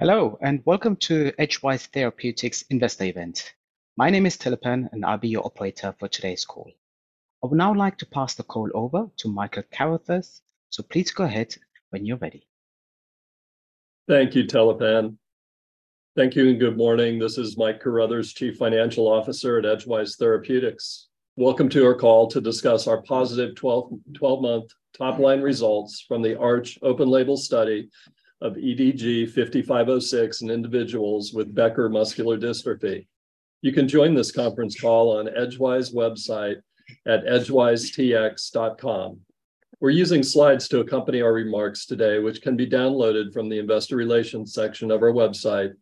Hello, welcome to Edgewise Therapeutics Investor Event. My name is Telepan, I'll be your operator for today's call. I would now like to pass the call over to Michael Carruthers, please go ahead when you're ready. Thank you, Telepan. Good morning. This is Mike Carruthers, Chief Financial Officer at Edgewise Therapeutics. Welcome to our call to discuss our positive 12 month top-line results from the ARCH Open Label study of EDG-5506 in individuals with Becker muscular dystrophy. You can join this conference call on Edgewise website at edgewisetx.com. We're using slides to accompany our remarks today, which can be downloaded from the investor relations section of our website.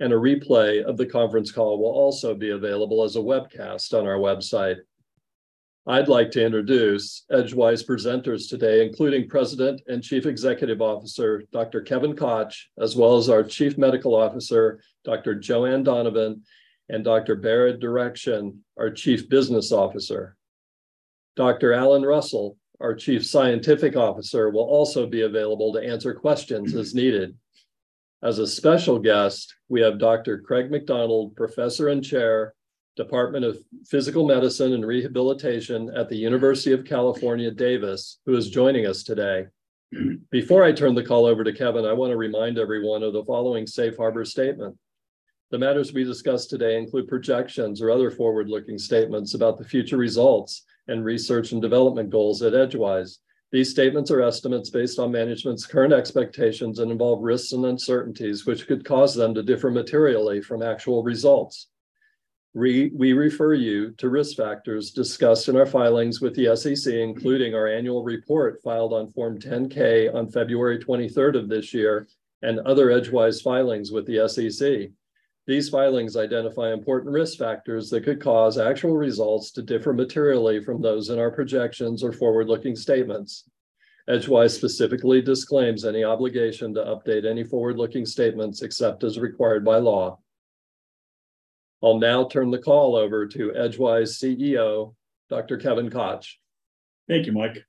A replay of the conference call will also be available as a webcast on our website. I'd like to introduce Edgewise presenters today, including President and Chief Executive Officer, Dr. Kevin Koch, as well as our Chief Medical Officer, Dr. Joanne Donovan, and Dr. Behrad Derakhshan, our Chief Business Officer. Dr. Alan Russell, our Chief Scientific Officer, will also be available to answer questions as needed. As a special guest, we have Dr. Craig McDonald, Professor and Chair, Department of Physical Medicine and Rehabilitation at the University of California, Davis, who is joining us today. Before I turn the call over to Kevin, I want to remind everyone of the following safe harbor statement: "The matters we discuss today include projections or other forward-looking statements about the future results and research and development goals at Edgewise. These statements are estimates based on management's current expectations and involve risks and uncertainties, which could cause them to differ materially from actual results. We refer you to risk factors discussed in our filings with the SEC, including our annual report filed on Form 10-K on February 23rd of this year, and other Edgewise filings with the SEC. These filings identify important risk factors that could cause actual results to differ materially from those in our projections or forward-looking statements. Edgewise specifically disclaims any obligation to update any forward-looking statements except as required by law. I'll now turn the call over to Edgewise CEO, Dr. Kevin Koch. Thank you, Mike.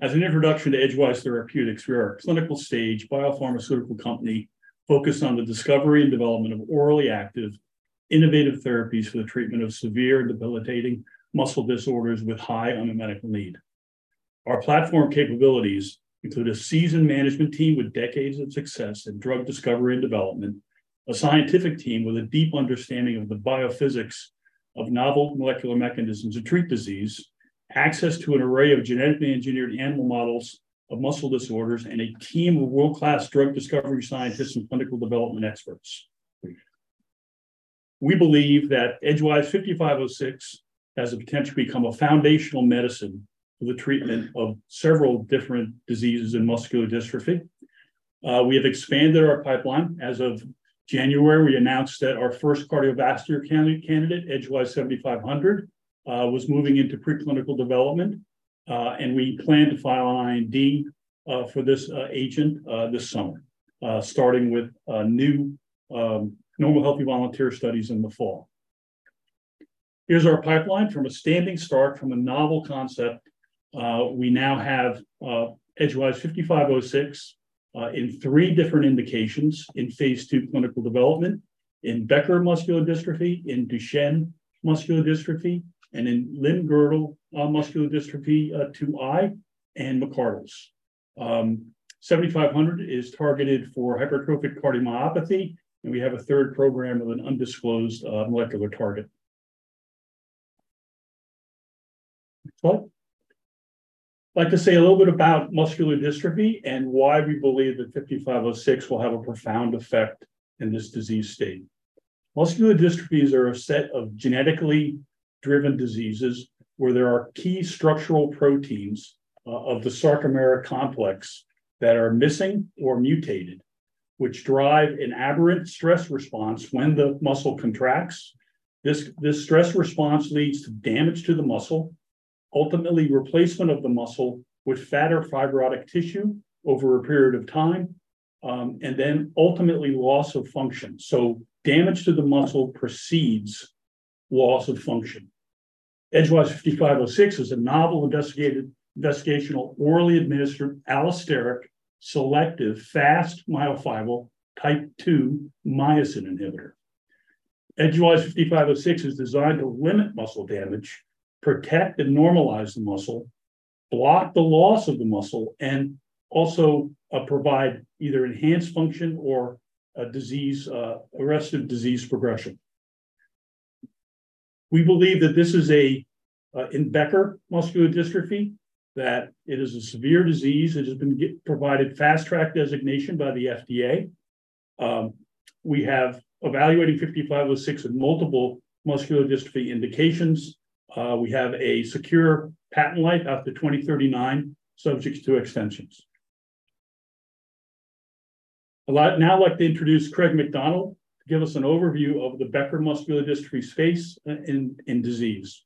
As an introduction to Edgewise Therapeutics, we are a clinical stage biopharmaceutical company focused on the discovery and development of orally active, innovative therapies for the treatment of severe and debilitating muscle disorders with high unmet medical need. Our platform capabilities include a seasoned management team with decades of success in drug discovery and development, a scientific team with a deep understanding of the biophysics of novel molecular mechanisms to treat disease, access to an array of genetically engineered animal models of muscle disorders, and a team of world-class drug discovery scientists and clinical development experts. We believe that EDG-5506 has the potential to become a foundational medicine for the treatment of several different diseases in muscular dystrophy. We have expanded our pipeline. As of January, we announced that our first cardiovascular candidate EDG-7500 was moving into preclinical development, and we plan to file an IND for this agent this summer, starting with new normal, healthy volunteer studies in the fall. Here's our pipeline. From a standing start, from a novel concept, we now have EDG-5506 in three different indications in phase II clinical development: in Becker muscular dystrophy, in Duchenne muscular dystrophy, and in limb-girdle muscular dystrophy 2I and McArdle. EDG-7500 is targeted for hypertrophic cardiomyopathy, and we have a third program with an undisclosed molecular target. Next slide. I'd like to say a little bit about muscular dystrophy and why we believe that EDG-5506 will have a profound effect in this disease state. Muscular dystrophies are a set of genetically driven diseases where there are key structural proteins of the sarcomeric complex that are missing or mutated, which drive an aberrant stress response when the muscle contracts. This stress response leads to damage to the muscle, ultimately replacement of the muscle with fat or fibrotic tissue over a period of time, and then ultimately loss of function. Damage to the muscle precedes loss of function. EDG-5506 is a novel investigational, orally administered allosteric, selective fast myofibril type II myosin inhibitor. EDG-5506 is designed to limit muscle damage, protect and normalize the muscle, block the loss of the muscle, and also provide either enhanced function or a disease arrested disease progression. We believe that this is a in Becker muscular dystrophy, that it is a severe disease. It has been provided Fast Track designation by the FDA. We have evaluated EDG-5506 in multiple muscular dystrophy indications. We have a secure patent life out to 2039, subject to extensions. Now I'd like to introduce Craig McDonald to give us an overview of the Becker muscular dystrophy space in disease.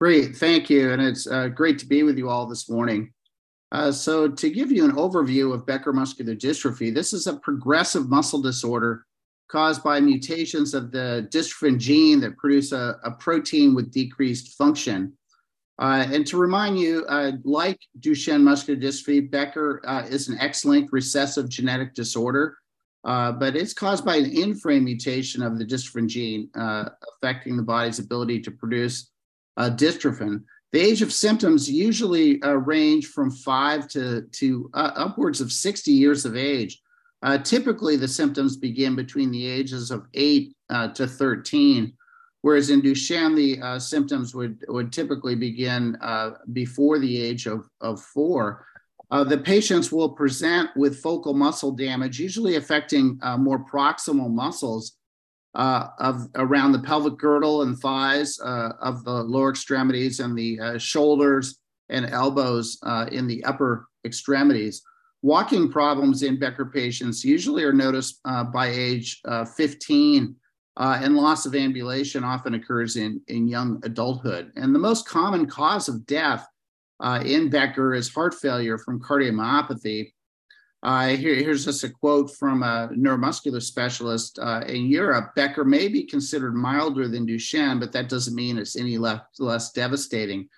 Great. Thank you. It's great to be with you all this morning. To give you an overview of Becker muscular dystrophy, this is a progressive muscle disorder caused by mutations of the dystrophin gene that produce a protein with decreased function. To remind you, like Duchenne muscular dystrophy, Becker is an X-linked recessive genetic disorder. It's caused by an in-frame mutation of the dystrophin gene, affecting the body's ability to produce dystrophin. The age of symptoms usually range from five to upwards of 60 years of age. Typically, the symptoms begin between the ages of eight to 13, whereas in Duchenne, the symptoms would typically begin before the age of four. The patients will present with focal muscle damage, usually affecting more proximal muscles, of around the pelvic girdle and thighs, of the lower extremities and the shoulders and elbows, in the upper extremities. Walking problems in Becker patients usually are noticed by age 15, and loss of ambulation often occurs in young adulthood. The most common cause of death in Becker is heart failure from cardiomyopathy. Here's just a quote from a neuromuscular specialist in Europe: "Becker may be considered milder than Duchenne, but that doesn't mean it's any less devastating."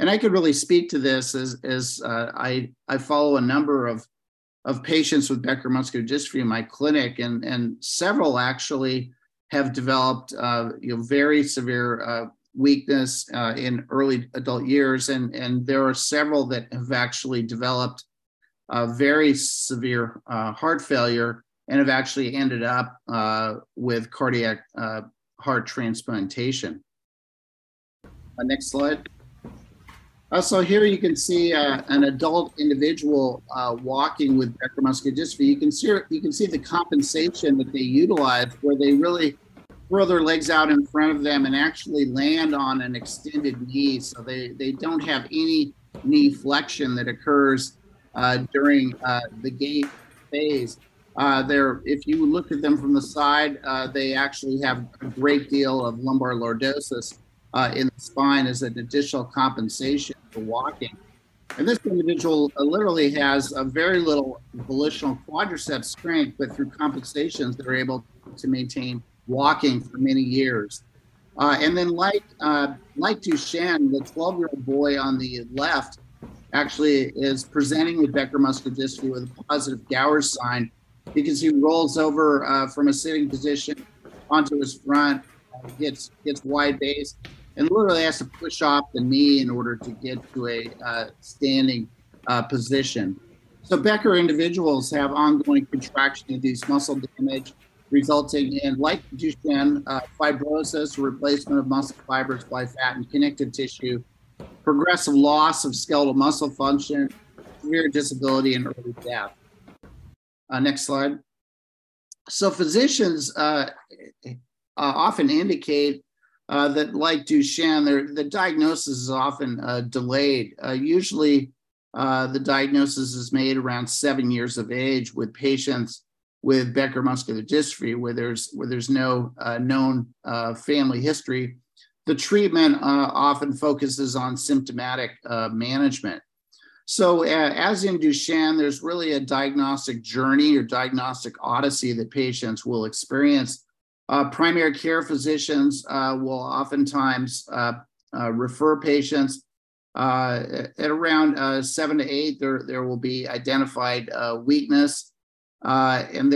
I could really speak to this as I follow a number of patients with Becker muscular dystrophy in my clinic, and several actually have developed, you know, very severe weakness in early adult years. There are several that have actually developed very severe heart failure and have actually ended up with cardiac heart transplantation. Next slide. Here you can see an adult individual walking with Becker muscular dystrophy. You can see the compensation that they utilize, where they really throw their legs out in front of them and actually land on an extended knee. They don't have any knee flexion that occurs during the gait phase. Their... If you look at them from the side, they actually have a great deal of lumbar lordosis in the spine as an additional compensation for walking. This individual literally has a very little volitional quadricep strength, but through compensations, they're able to maintain walking for many years. And then, like Duchenne, the 12 year-old boy on the left actually is presenting with Becker muscular dystrophy with a positive Gowers' sign because he rolls over from a sitting position onto his front, gets wide-based, and literally has to push off the knee in order to get to a standing position. Becker individuals have ongoing contraction of these muscle damage, resulting in, like Duchenne, fibrosis, replacement of muscle fibers by fat and connective tissue, progressive loss of skeletal muscle function, severe disability, and early death. Next slide. Physicians often indicate that like Duchenne, their diagnosis is often delayed. Usually, the diagnosis is made around seven years of age with patients with Becker muscular dystrophy, where there's no known family history. The treatment often focuses on symptomatic management. As in Duchenne, there's really a diagnostic journey or diagnostic odyssey that patients will experience. Primary care physicians will oftentimes refer patients. At around seven to eight, there will be identified weakness, and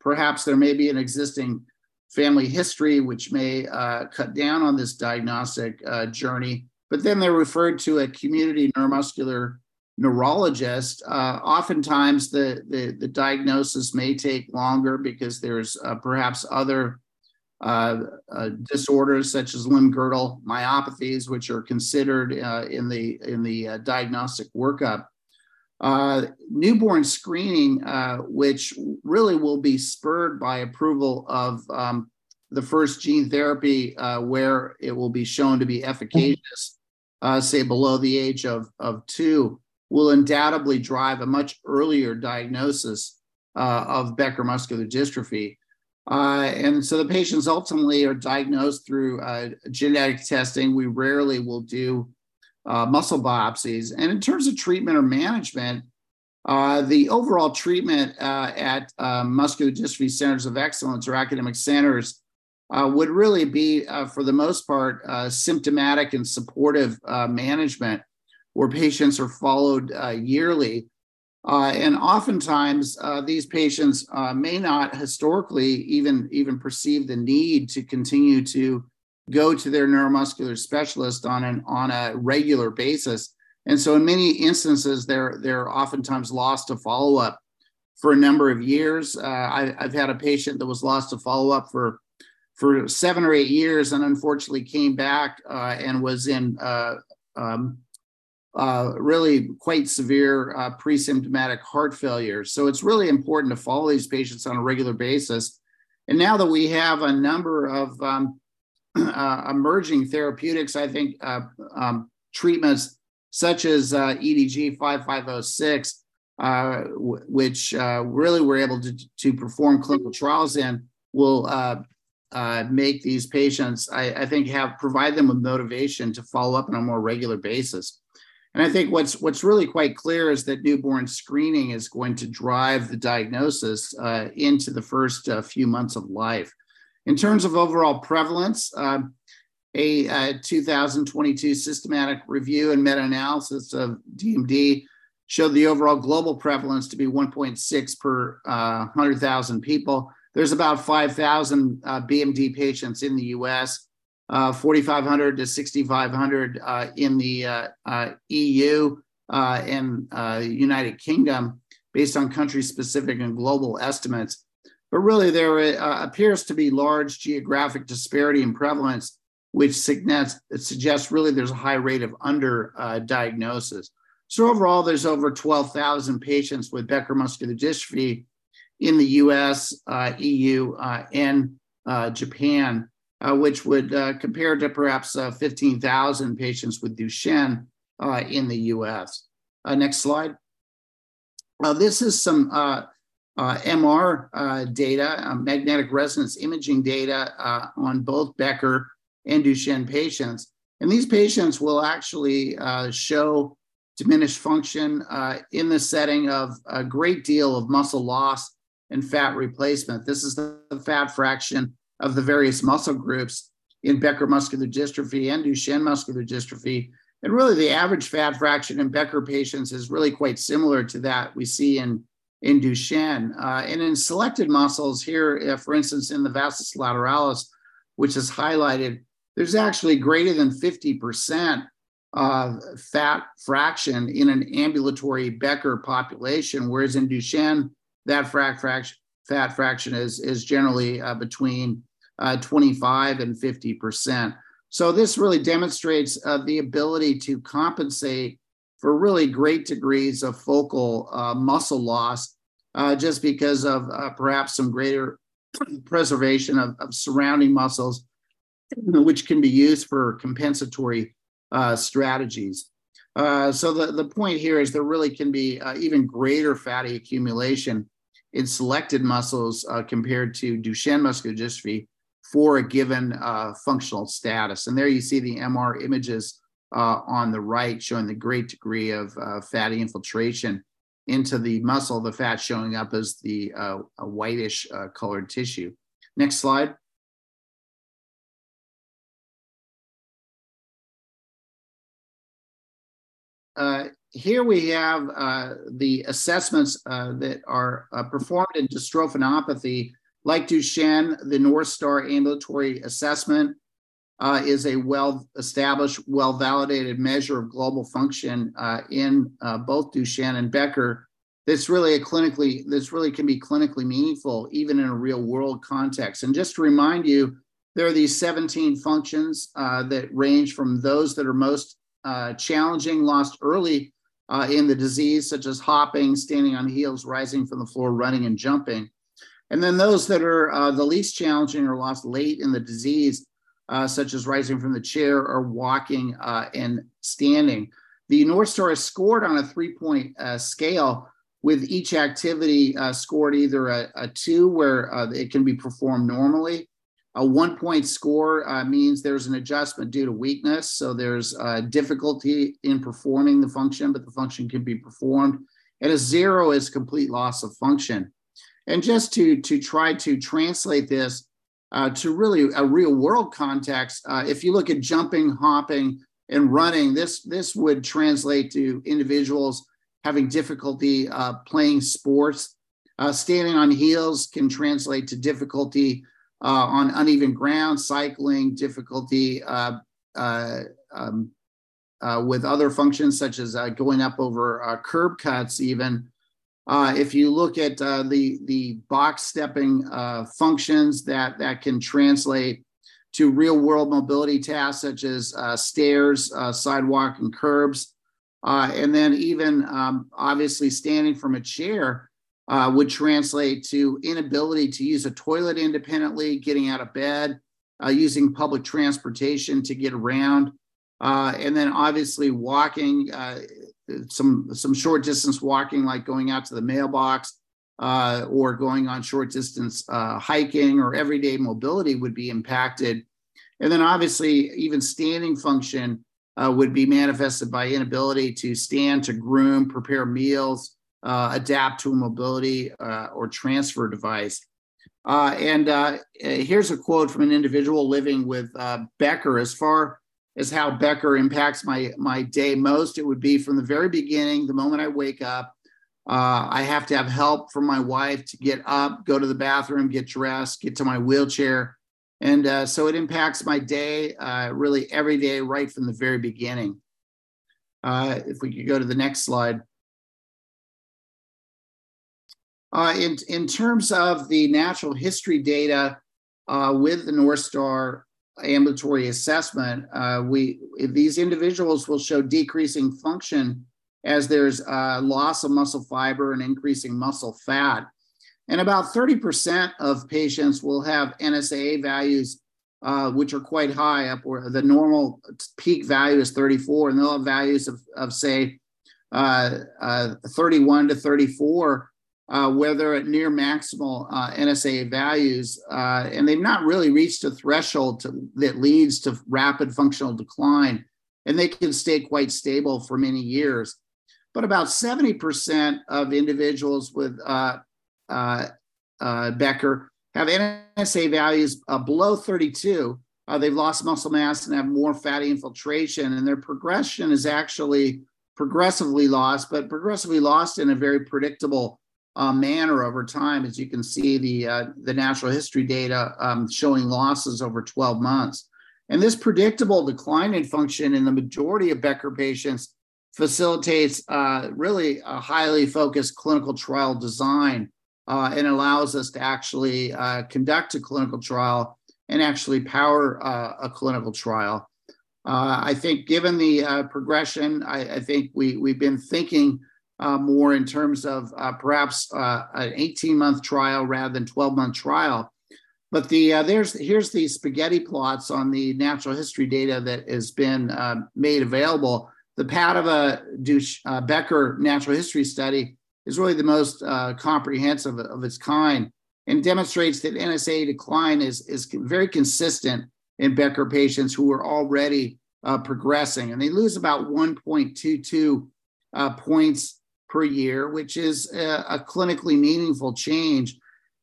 perhaps there may be an existing family history, which may cut down on this diagnostic journey. They're referred to a community neuromuscular neurologist. Oftentimes, the diagnosis may take longer because there's perhaps other disorders such as limb-girdle muscular dystrophies, which are considered in the diagnostic workup. Newborn screening, which really will be spurred by approval of the first gene therapy, where it will be shown to be efficacious, say, below the age of two, will undoubtedly drive a much earlier diagnosis of Becker muscular dystrophy. The patients ultimately are diagnosed through genetic testing. We rarely will do muscle biopsies. In terms of treatment or management, the overall treatment at muscular dystrophy centers of excellence or academic centers would really be for the most part symptomatic and supportive management, where patients are followed yearly. Oftentimes, these patients may not historically even perceive the need to continue to go to their neuromuscular specialist on a regular basis. In many instances, they're oftentimes lost to follow-up for a number of years. I've had a patient that was lost to follow-up for seven or eight years, and unfortunately came back and was in really quite severe presymptomatic heart failure. It's really important to follow these patients on a regular basis. Now that we have a number of emerging therapeutics, I think treatments such as EDG-5506, which really we're able to perform clinical trials in will make these patients, I think, have provide them with motivation to follow up on a more regular basis. I think what's really quite clear is that newborn screening is going to drive the diagnosis into the first few months of life. In terms of overall prevalence, a 2022 systematic review and meta-analysis of DMD showed the overall global prevalence to be 1.6 per 100,000 people. There's about 5,000 BMD patients in the U.S., 4,500-6,500 in the EU, in U.K., based on country-specific and global estimates. Really there appears to be large geographic disparity in prevalence, which suggests really there's a high rate of under diagnosis. Overall, there's over 12,000 patients with Becker muscular dystrophy in the U.S., EU, and Japan. Which would compare to perhaps 15,000 patients with Duchenne in the U.S. Next slide. This is some MR data, magnetic resonance imaging data on both Becker and Duchenne patients. These patients will actually show diminished function in the setting of a great deal of muscle loss and fat replacement. This is the fat fraction of the various muscle groups in Becker muscular dystrophy and Duchenne muscular dystrophy. Really, the average fat fraction in Becker patients is quite similar to that we see in Duchenne. In selected muscles here, for instance, in the vastus lateralis, which is highlighted, there's actually greater than 50% fat fraction in an ambulatory Becker population, whereas in Duchenne, that fat fraction is generally between 25% and 50% This really demonstrates the ability to compensate for really great degrees of focal muscle loss just because of perhaps some greater preservation of surrounding muscles, which can be used for compensatory strategies. The point here is there really can be even greater fatty accumulation in selected muscles compared to Duchenne muscular dystrophy for a given functional status. There you see the MR images on the right, showing the great degree of fatty infiltration into the muscle, the fat showing up as the whitish colored tissue. Next slide. Here we have the assessments that are performed in dystrophinopathy. Like Duchenne, the North Star Ambulatory Assessment is a well-established, well-validated measure of global function in both Duchenne and Becker. This really can be clinically meaningful, even in a real-world context. Just to remind you, there are these 17 functions that range from those that are most challenging, lost early in the disease, such as hopping, standing on heels, rising from the floor, running, and jumping. Then those that are the least challenging or lost late in the disease, such as rising from the chair or walking and standing. The North Star is scored on a three point scale, with each activity scored either a two, where it can be performed normally. A one point score means there's an adjustment due to weakness, so there's difficulty in performing the function, but the function can be performed. A zero is complete loss of function. Just to try to translate this to really a real-world context, if you look at jumping, hopping, and running, this would translate to individuals having difficulty playing sports. Standing on heels can translate to difficulty on uneven ground, cycling difficulty with other functions such as going up over curb cuts, even. If you look at the box stepping functions, that can translate to real-world mobility tasks such as stairs, sidewalk, and curbs. Even, obviously, standing from a chair would translate to inability to use a toilet independently, getting out of bed, using public transportation to get around. Obviously walking, some short-distance walking, like going out to the mailbox, or going on short-distance hiking or everyday mobility would be impacted. Obviously, even standing function would be manifested by inability to stand, to groom, prepare meals, adapt to a mobility or transfer device. Here's a quote from an individual living with Becker: "As far as how Becker impacts my day most, it would be from the very beginning, the moment I wake up, I have to have help from my wife to get up, go to the bathroom, get dressed, get to my wheelchair. It impacts my day, really every day, right from the very beginning." If we could go to the next slide. In terms of the natural history data, with the North Star Ambulatory Assessment, these individuals will show decreasing function as there's loss of muscle fiber and increasing muscle fat. About 30% of patients will have NSAA values, which are quite high up where the normal peak value is 34, and they'll have values of, say, 31-34, where they're at near maximal NSAA values. They've not really reached a threshold that leads to rapid functional decline, and they can stay quite stable for many years. About 70% of individuals with Becker have NSAA values below 32. They've lost muscle mass and have more fatty infiltration, and their progression is actually progressively lost, but progressively lost in a very predictable manner over time. As you can see, the natural history data showing losses over 12 months. This predictable decline in function in the majority of Becker patients facilitates really a highly focused clinical trial design and allows us to actually conduct a clinical trial and actually power a clinical trial. I think given the progression, I think we've been thinking more in terms of perhaps an 18 month trial rather than 12 month trial. Here's the spaghetti plots on the natural history data that has been made available. The Padova, Duchenne, Becker Natural History study is really the most comprehensive of its kind and demonstrates that NSAA decline is very consistent in Becker patients who are already progressing. They lose about 1.22 points per year, which is a clinically meaningful change.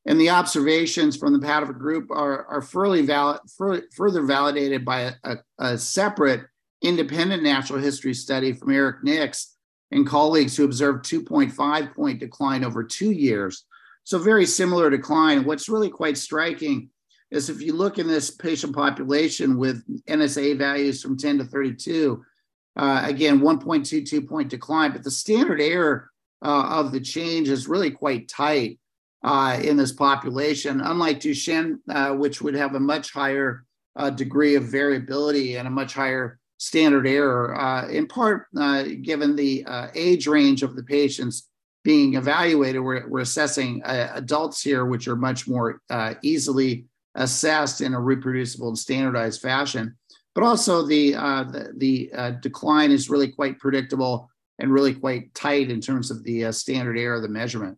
The observations from the Padova group are further validated by a separate independent natural history study from Erik Niks and colleagues, who observed 2.5 point decline over two years. Very similar decline. What's really quite striking is if you look in this patient population with NSAA values from 10-32, again, 1.22 point decline, but the standard error of the change is really quite tight in this population. Unlike Duchenne, which would have a much higher degree of variability and a much higher standard error, in part, given the age range of the patients being evaluated. We're assessing adults here, which are much more easily assessed in a reproducible and standardized fashion. Also, the decline is really quite predictable and really quite tight in terms of the standard error of the measurement.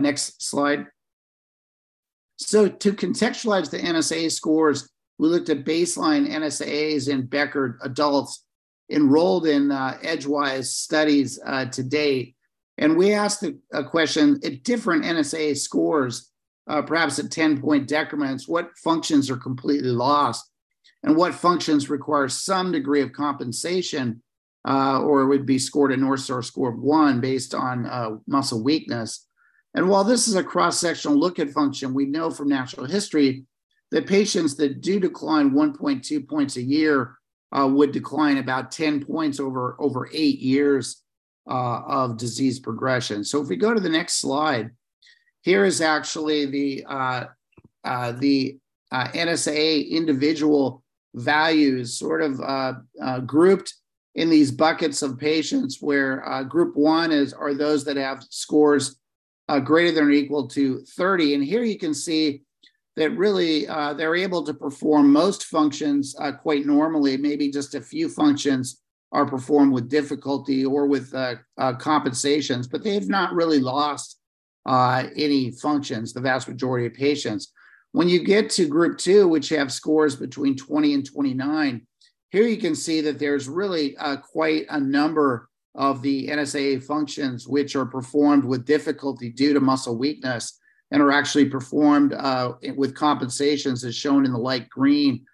Next slide. To contextualize the NSAA scores, we looked at baseline NSAAs in Becker adults enrolled in Edgewise studies to date. We asked a question: at different NSAA scores, perhaps at 10 point decrements, what functions are completely lost, and what functions require some degree of compensation, or would be scored a North Star score of one based on muscle weakness? While this is a cross-sectional look at function, we know from natural history that patients that do decline 1.2 points a year, would decline about 10 points over eight years of disease progression. If we go to the next slide, here is actually the NSAA individual values, sort of, grouped in these buckets of patients, where group one are those that have scores, greater than or equal to 30. Here you can see that really, they're able to perform most functions, quite normally. Maybe just a few functions are performed with difficulty or with compensations, but they've not really lost any functions, the vast majority of patients. When you get to group two, which have scores between 20 and 29, here you can see that there's really quite a number of the NSAA functions which are performed with difficulty due to muscle weakness and are actually performed with compensations, as shown in the light green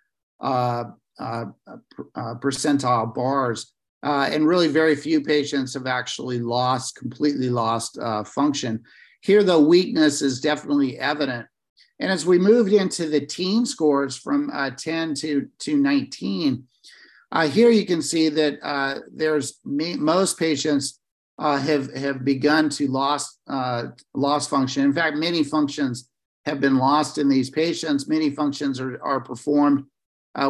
percentile bars. Really very few patients have actually lost, completely lost, function. Here, the weakness is definitely evident. As we moved into the teen scores from 10 to 19, here you can see that there's most patients have begun to lost loss function. In fact, many functions have been lost in these patients. Many functions are performed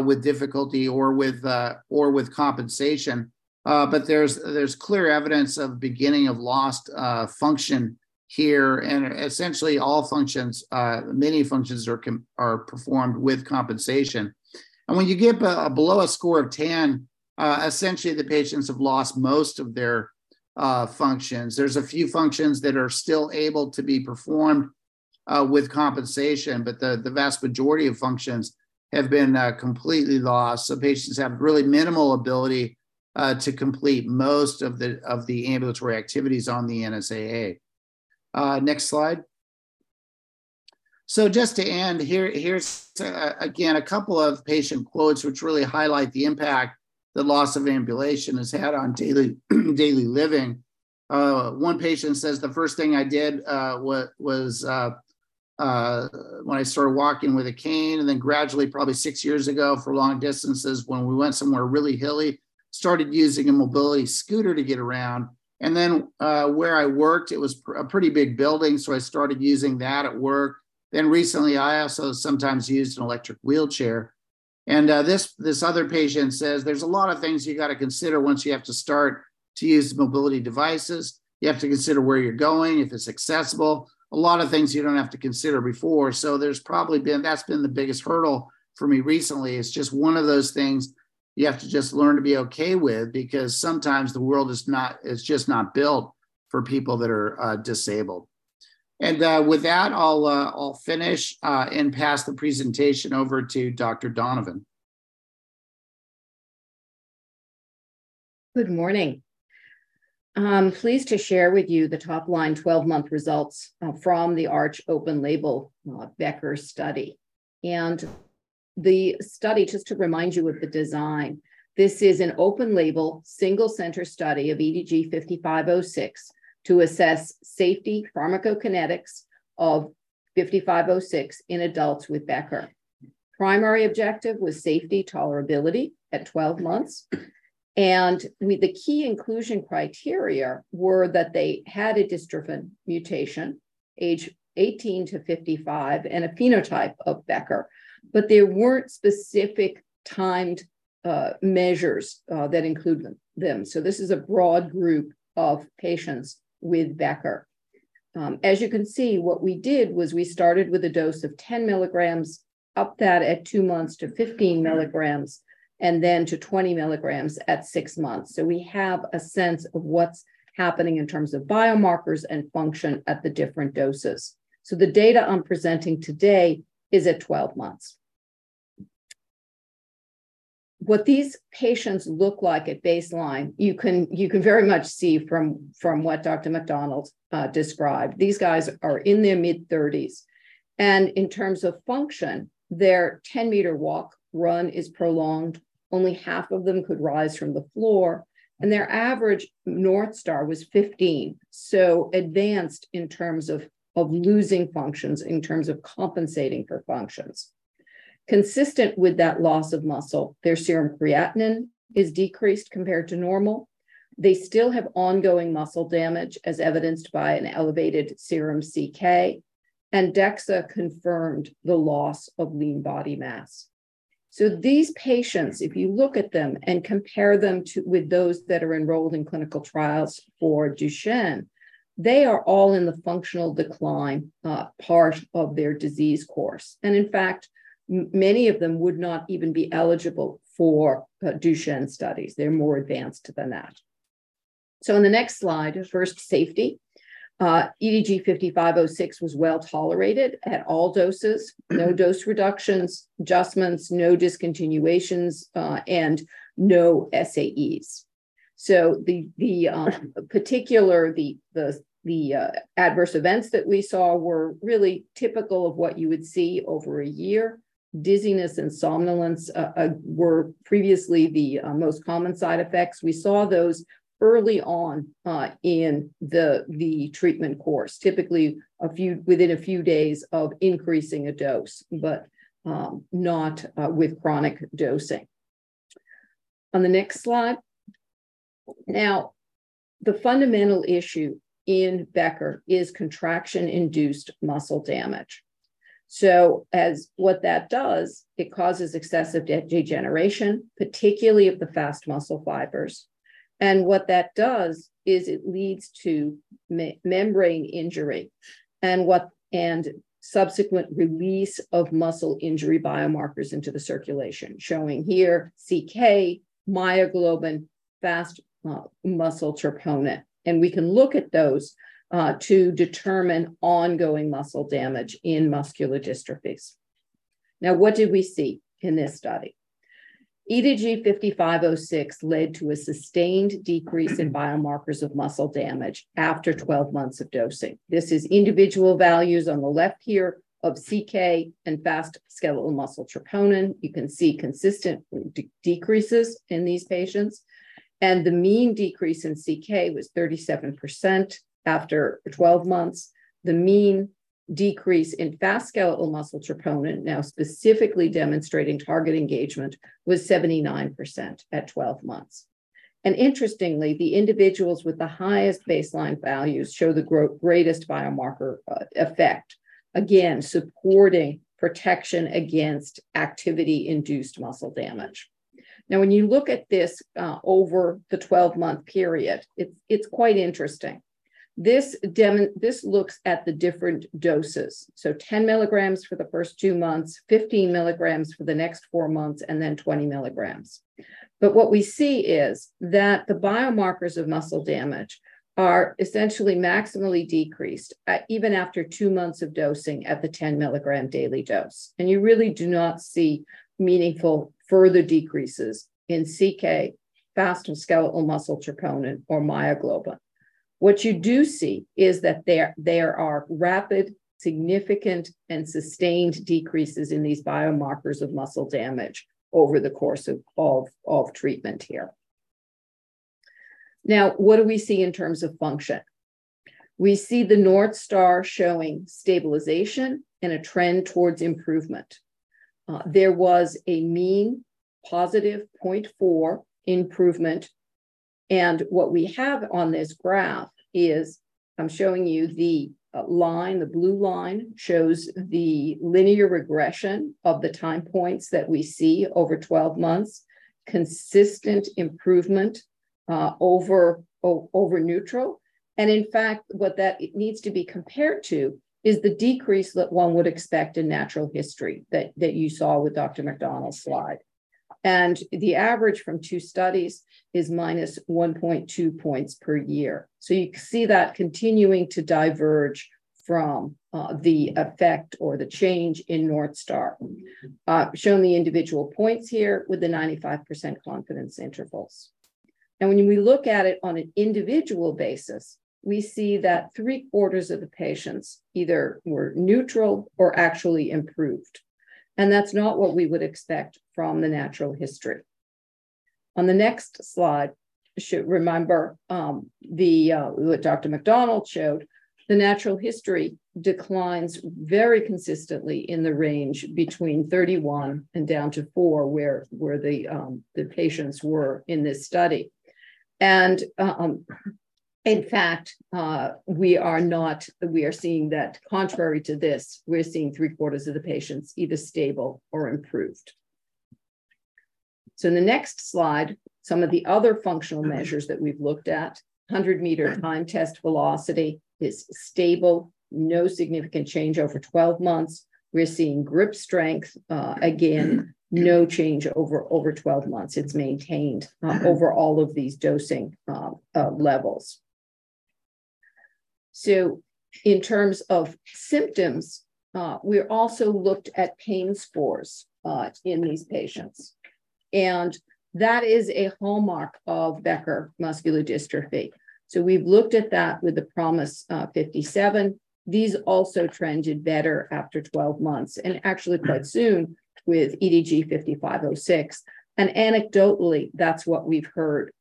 with difficulty or with compensation. There's clear evidence of beginning of lost function here, and essentially all functions, many functions are performed with compensation. When you get below a score of 10, essentially the patients have lost most of their functions. There's a few functions that are still able to be performed with compensation, but the vast majority of functions have been completely lost. Patients have really minimal ability to complete most of the ambulatory activities on the NSAA. Next slide. Just to end, here's again a couple of patient quotes which really highlight the impact the loss of ambulation has had on daily living. One patient says, "The first thing I did, was, when I started walking with a cane, and then gradually, probably six years ago, for long distances, when we went somewhere really hilly, started using a mobility scooter to get around. Then, where I worked, it was a pretty big building, so I started using that at work. Then recently, I also sometimes used an electric wheelchair." This other patient says, "There's a lot of things you've got to consider once you have to start to use mobility devices. You have to consider where you're going, if it's accessible. A lot of things you don't have to consider before, so there's probably been. That's been the biggest hurdle for me recently. It's just one of those things you have to just learn to be okay with, because sometimes the world is not, it's just not built for people that are, disabled. With that, I'll finish, and pass the presentation over to Dr. Donovan. Good morning. I'm pleased to share with you the top line 12 month results from the ARCH Open Label Becker Study. The study, just to remind you of the design, this is an open label, single center study of EDG-5506, to assess safety pharmacokinetics of EDG-5506 in adults with Becker. Primary objective was safety tolerability at 12 months, and with the key inclusion criteria were that they had a dystrophin mutation, age 18 to 55, and a phenotype of Becker. There weren't specific timed measures that include them. This is a broad group of patients with Becker. As you can see, what we did was we started with a dose of 10 mg, upped that at two months to 15 mg, and then to 20 mg at six months. We have a sense of what's happening in terms of biomarkers and function at the different doses. The data I'm presenting today is at 12 months. What these patients look like at baseline, you can very much see from what Dr. McDonald's described. These guys are in their mid 30s, and in terms of function, their 10-meter walk, run is prolonged. Only half of them could rise from the floor, and their average North Star was 15. Advanced in terms of losing functions, in terms of compensating for functions. Consistent with that loss of muscle, their serum creatinine is decreased compared to normal. They still have ongoing muscle damage, as evidenced by an elevated serum CK, and DEXA confirmed the loss of lean body mass. These patients, if you look at them and compare them to with those that are enrolled in clinical trials for Duchenne, they are all in the functional decline part of their disease course. In fact, many of them would not even be eligible for Duchenne studies. They're more advanced than that. In the next slide, first, safety. EDG-5506 was well tolerated at all doses. No dose reductions, adjustments, no discontinuations, and no SAEs. The particular adverse events that we saw were really typical of what you would see over a year. Dizziness and somnolence were previously the most common side effects. We saw those early on in the treatment course, typically within a few days of increasing a dose, but not with chronic dosing. On the next slide. The fundamental issue in Becker is contraction-induced muscle damage. What that does, it causes excessive degeneration, particularly of the fast muscle fibers. What that does is it leads to membrane injury and subsequent release of muscle injury biomarkers into the circulation, showing here CK, myoglobin, fast muscle troponin. We can look at those to determine ongoing muscle damage in muscular dystrophies. What did we see in this study? EDG-5506 led to a sustained decrease in biomarkers of muscle damage after 12 months of dosing. This is individual values on the left here of CK and fast skeletal muscle troponin. You can see consistent decreases in these patients. The mean decrease in CK was 37% after 12 months. The mean decrease in fast skeletal muscle troponin, now specifically demonstrating target engagement, was 79% at 12 months. Interestingly, the individuals with the highest baseline values show the greatest biomarker effect, again, supporting protection against activity-induced muscle damage. When you look at this over the 12 month period, it's quite interesting. This looks at the different doses. 10 mg for the first two months, 15 mg for the next four months, and then 20 mg. What we see is that the biomarkers of muscle damage are essentially maximally decreased even after two months of dosing at the 10 mg daily dose. You really do not see meaningful further decreases in CK, fast skeletal muscle troponin, or myoglobin. What you do see is that there are rapid, significant, and sustained decreases in these biomarkers of muscle damage over the course of treatment here. What do we see in terms of function? We see the North Star showing stabilization and a trend towards improvement. There was a mean positive 0.4 improvement, and what we have on this graph is. I'm showing you the line. The blue line shows the linear regression of the time points that we see over 12 months. Consistent improvement over neutral. In fact, what that needs to be compared to is the decrease that one would expect in natural history, that you saw with Dr. McDonald's slide. The average from two studies is minus 1.2 points per year. You see that continuing to diverge from the effect or the change in NorthStar. Showing the individual points here with the 95% confidence intervals. When we look at it on an individual basis, we see that three-quarters of the patients either were neutral or actually improved, and that's not what we would expect from the natural history. On the next slide, you should remember what Dr. Craig McDonald showed. The natural history declines very consistently in the range between 31 and down to four, where the patients were in this study. In fact, we are seeing that contrary to this, we're seeing three-quarters of the patients either stable or improved. In the next slide, some of the other functional measures that we've looked at, 100-meter timed test velocity is stable, no significant change over 12 months. We're seeing grip strength. Again, no change over 12 months. It's maintained over all of these dosing levels. In terms of symptoms, we also looked at pain scores in these patients, and that is a hallmark of Becker muscular dystrophy. We've looked at that with the PROMIS-57. These also trended better after 12 months, and actually quite soon with EDG-5506. And anecdotally, that's what we've heard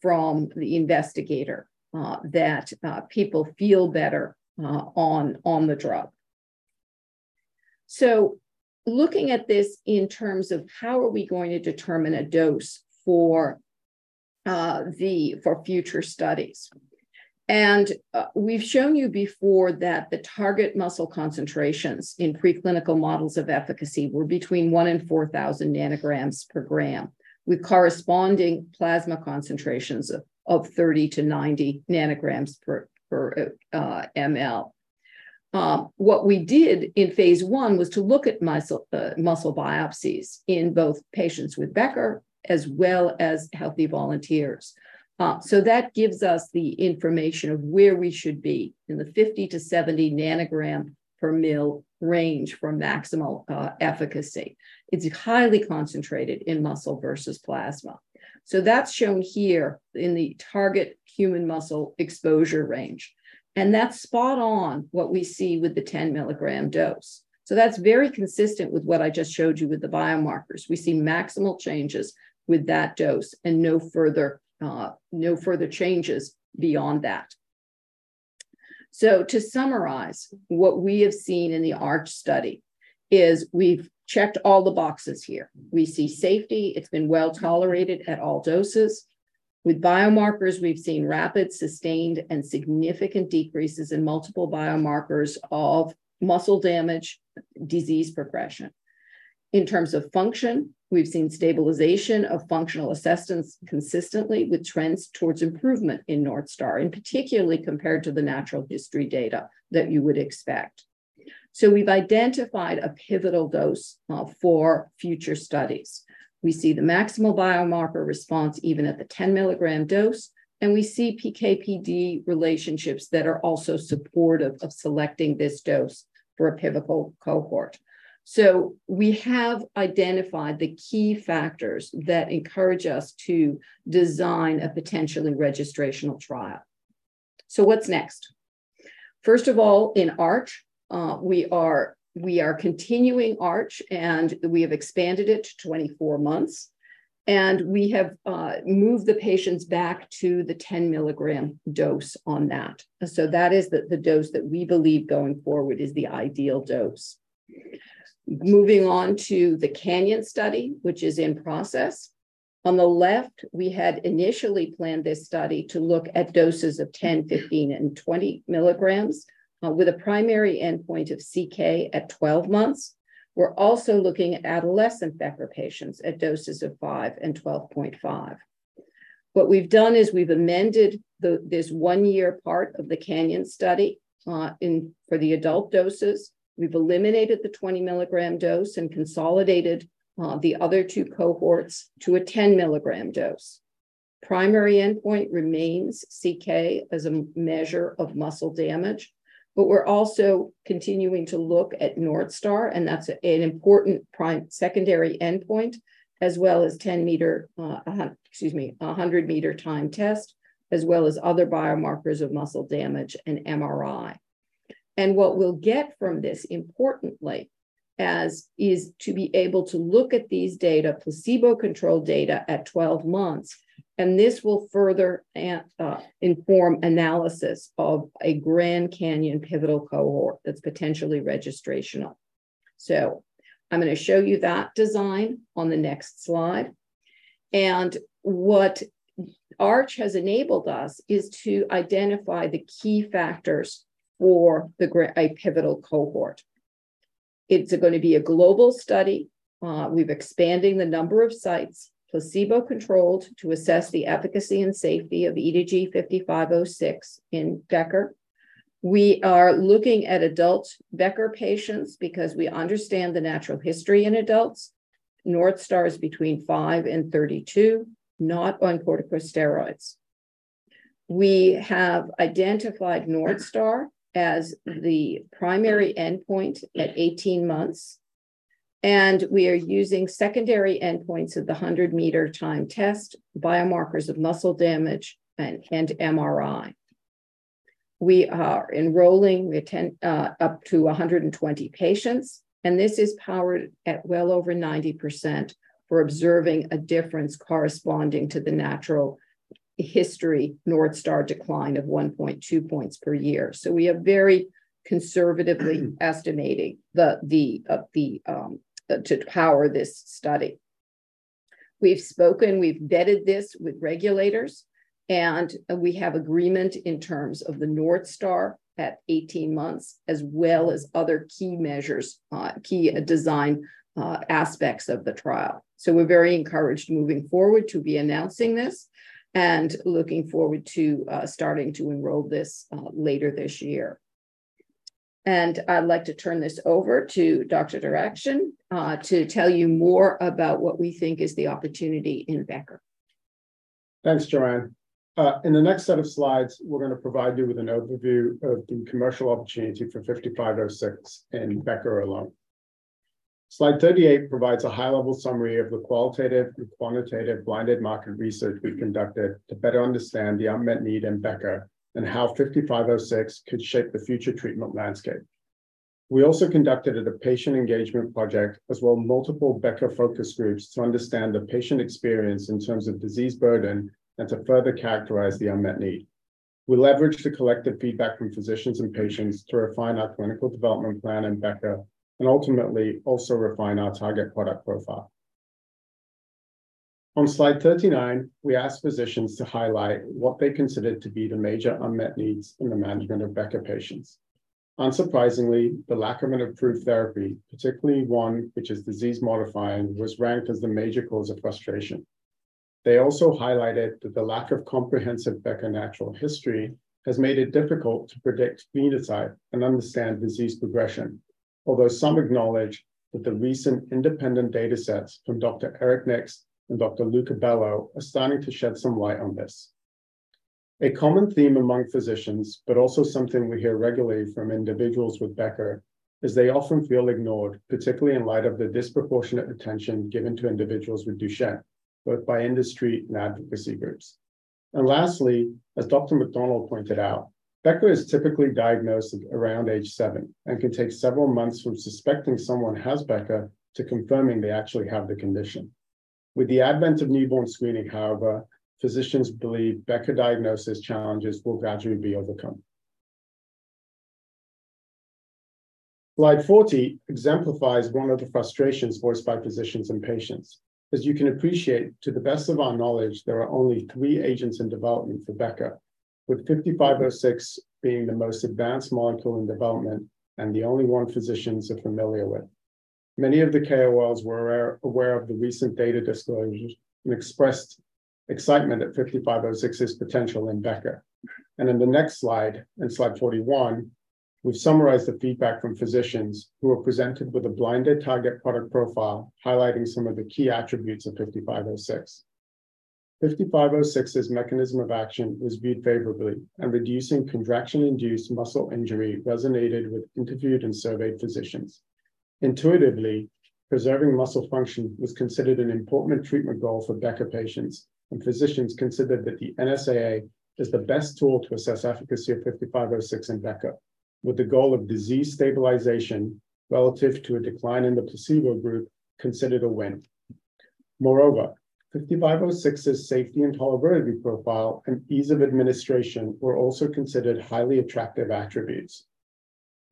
from the investigator that people feel better on the drug. Looking at this in terms of how are we going to determine a dose for future studies? We've shown you before that the target muscle concentrations in preclinical models of efficacy were between 1 and 4,000 nanograms per gram, with corresponding plasma concentrations of 30 to 90 nanograms per milligram. What we did in phase 1 was to look at muscle biopsies in both patients with Becker as well as healthy volunteers. So that gives us the information of where we should be in the 50 to 70 nanogram per ml range for maximal efficacy. It's highly concentrated in muscle versus plasma. So that's shown here in the target human muscle exposure range, and that's spot on what we see with the 10 mg dose. So that's very consistent with what I just showed you with the biomarkers. We see maximal changes with that dose and no further changes beyond that. To summarize, what we have seen in the ARCH study is we've checked all the boxes here. We see safety. It's been well tolerated at all doses. With biomarkers, we've seen rapid, sustained, and significant decreases in multiple biomarkers of muscle damage, disease progression. In terms of function, we've seen stabilization of functional assessments consistently with trends towards improvement in NorthStar, and particularly compared to the natural history data that you would expect. We've identified a pivotal dose for future studies. We see the maximal biomarker response even at the 10 mg dose, and we see PK/PD relationships that are also supportive of selecting this dose for a pivotal cohort. We have identified the key factors that encourage us to design a potentially registrational trial. What's next? First of all, in ARCH, we are continuing ARCH, and we have expanded it to 24 months, and we have moved the patients back to the 10 mg dose on that. That is the dose that we believe going forward is the ideal dose. Moving on to the CANYON study, which is in process. On the left, we had initially planned this study to look at doses of 10, 15, and 20 mg, with a primary endpoint of CK at 12 months. We're also looking at adolescent Becker patients at doses of 5 and 12.5. What we've done is we've amended this one year part of the CANYON study for the adult doses. We've eliminated the 20 mg dose and consolidated the other two cohorts to a 10 mg dose. Primary endpoint remains CK as a measure of muscle damage, but we're also continuing to look at North Star, and that's an important secondary endpoint, as well as 10 meter, excuse me, a 100 meter timed test, as well as other biomarkers of muscle damage and MRI. What we'll get from this, importantly, is to be able to look at these data, placebo-controlled data, at 12 months, and this will further inform analysis of a GRAND CANYON pivotal cohort that's potentially registrational. I'm gonna show you that design on the next slide. What ARCH has enabled us is to identify the key factors for a pivotal cohort. It's going to be a global study. We've expanding the number of sites, placebo-controlled, to assess the efficacy and safety of EDG-5506 in Becker. We are looking at adult Becker patients because we understand the natural history in adults. North Star is between five and 32, not on corticosteroids. We have identified North Star as the primary endpoint at 18 months, and we are using secondary endpoints of the 100-meter timed test, biomarkers of muscle damage, and MRI. We are enrolling the 10, up to 120 patients, and this is powered at well over 90% for observing a difference corresponding to the natural history North Star decline of 1.2 points per year. We are very conservatively estimating the to power this study. We've spoken, we've vetted this with regulators, we have agreement in terms of the North Star at 18 months, as well as other key measures, key design aspects of the trial. We're very encouraged moving forward to be announcing this, and looking forward to starting to enroll this later this year. I'd like to turn this over to Dr. Derakhshan to tell you more about what we think is the opportunity in Becker. Thanks, Joanne. In the next set of slides, we're gonna provide you with an overview of the commercial opportunity for EDG-5506 in Becker alone. Slide 38 provides a high-level summary of the qualitative and quantitative blinded market research we've conducted to better understand the unmet need in Becker and how EDG-5506 could shape the future treatment landscape. We also conducted a patient engagement project, as well multiple Becker focus groups, to understand the patient experience in terms of disease burden and to further characterize the unmet need. We leveraged the collected feedback from physicians and patients to refine our clinical development plan in Becker and ultimately also refine our target product profile. On slide 39, we asked physicians to highlight what they considered to be the major unmet needs in the management of Becker patients. Unsurprisingly, the lack of an approved therapy, particularly one which is disease-modifying, was ranked as the major cause of frustration. They also highlighted that the lack of comprehensive Becker natural history has made it difficult to predict phenotype and understand disease progression. Although some acknowledge that the recent independent datasets from Dr. Erik Niks and Dr. Luca Bello are starting to shed some light on this. A common theme among physicians, but also something we hear regularly from individuals with Becker, is they often feel ignored, particularly in light of the disproportionate attention given to individuals with Duchenne, both by industry and advocacy groups. Lastly, as Dr. McDonald pointed out, Becker is typically diagnosed around age seven and can take several months from suspecting someone has Becker to confirming they actually have the condition. With the advent of newborn screening, however, physicians believe Becker diagnosis challenges will gradually be overcome. Slide 40 exemplifies one of the frustrations voiced by physicians and patients. As you can appreciate, to the best of our knowledge, there are only three agents in development for Becker, with EDG-5506 being the most advanced molecule in development and the only one physicians are familiar with. Many of the KOLs were aware of the recent data disclosures and expressed excitement at EDG-5506's potential in Becker. In the next slide, in slide 41, we've summarized the feedback from physicians who were presented with a blinded target product profile, highlighting some of the key attributes of EDG-5506. EDG-5506's mechanism of action was viewed favorably, and reducing contraction-induced muscle injury resonated with interviewed and surveyed physicians. Intuitively, preserving muscle function was considered an important treatment goal for Becker patients, and physicians considered that the NSAA is the best tool to assess efficacy of EDG-5506 in Becker, with the goal of disease stabilization relative to a decline in the placebo group considered a win. EDG-5506's safety and tolerability profile and ease of administration were also considered highly attractive attributes.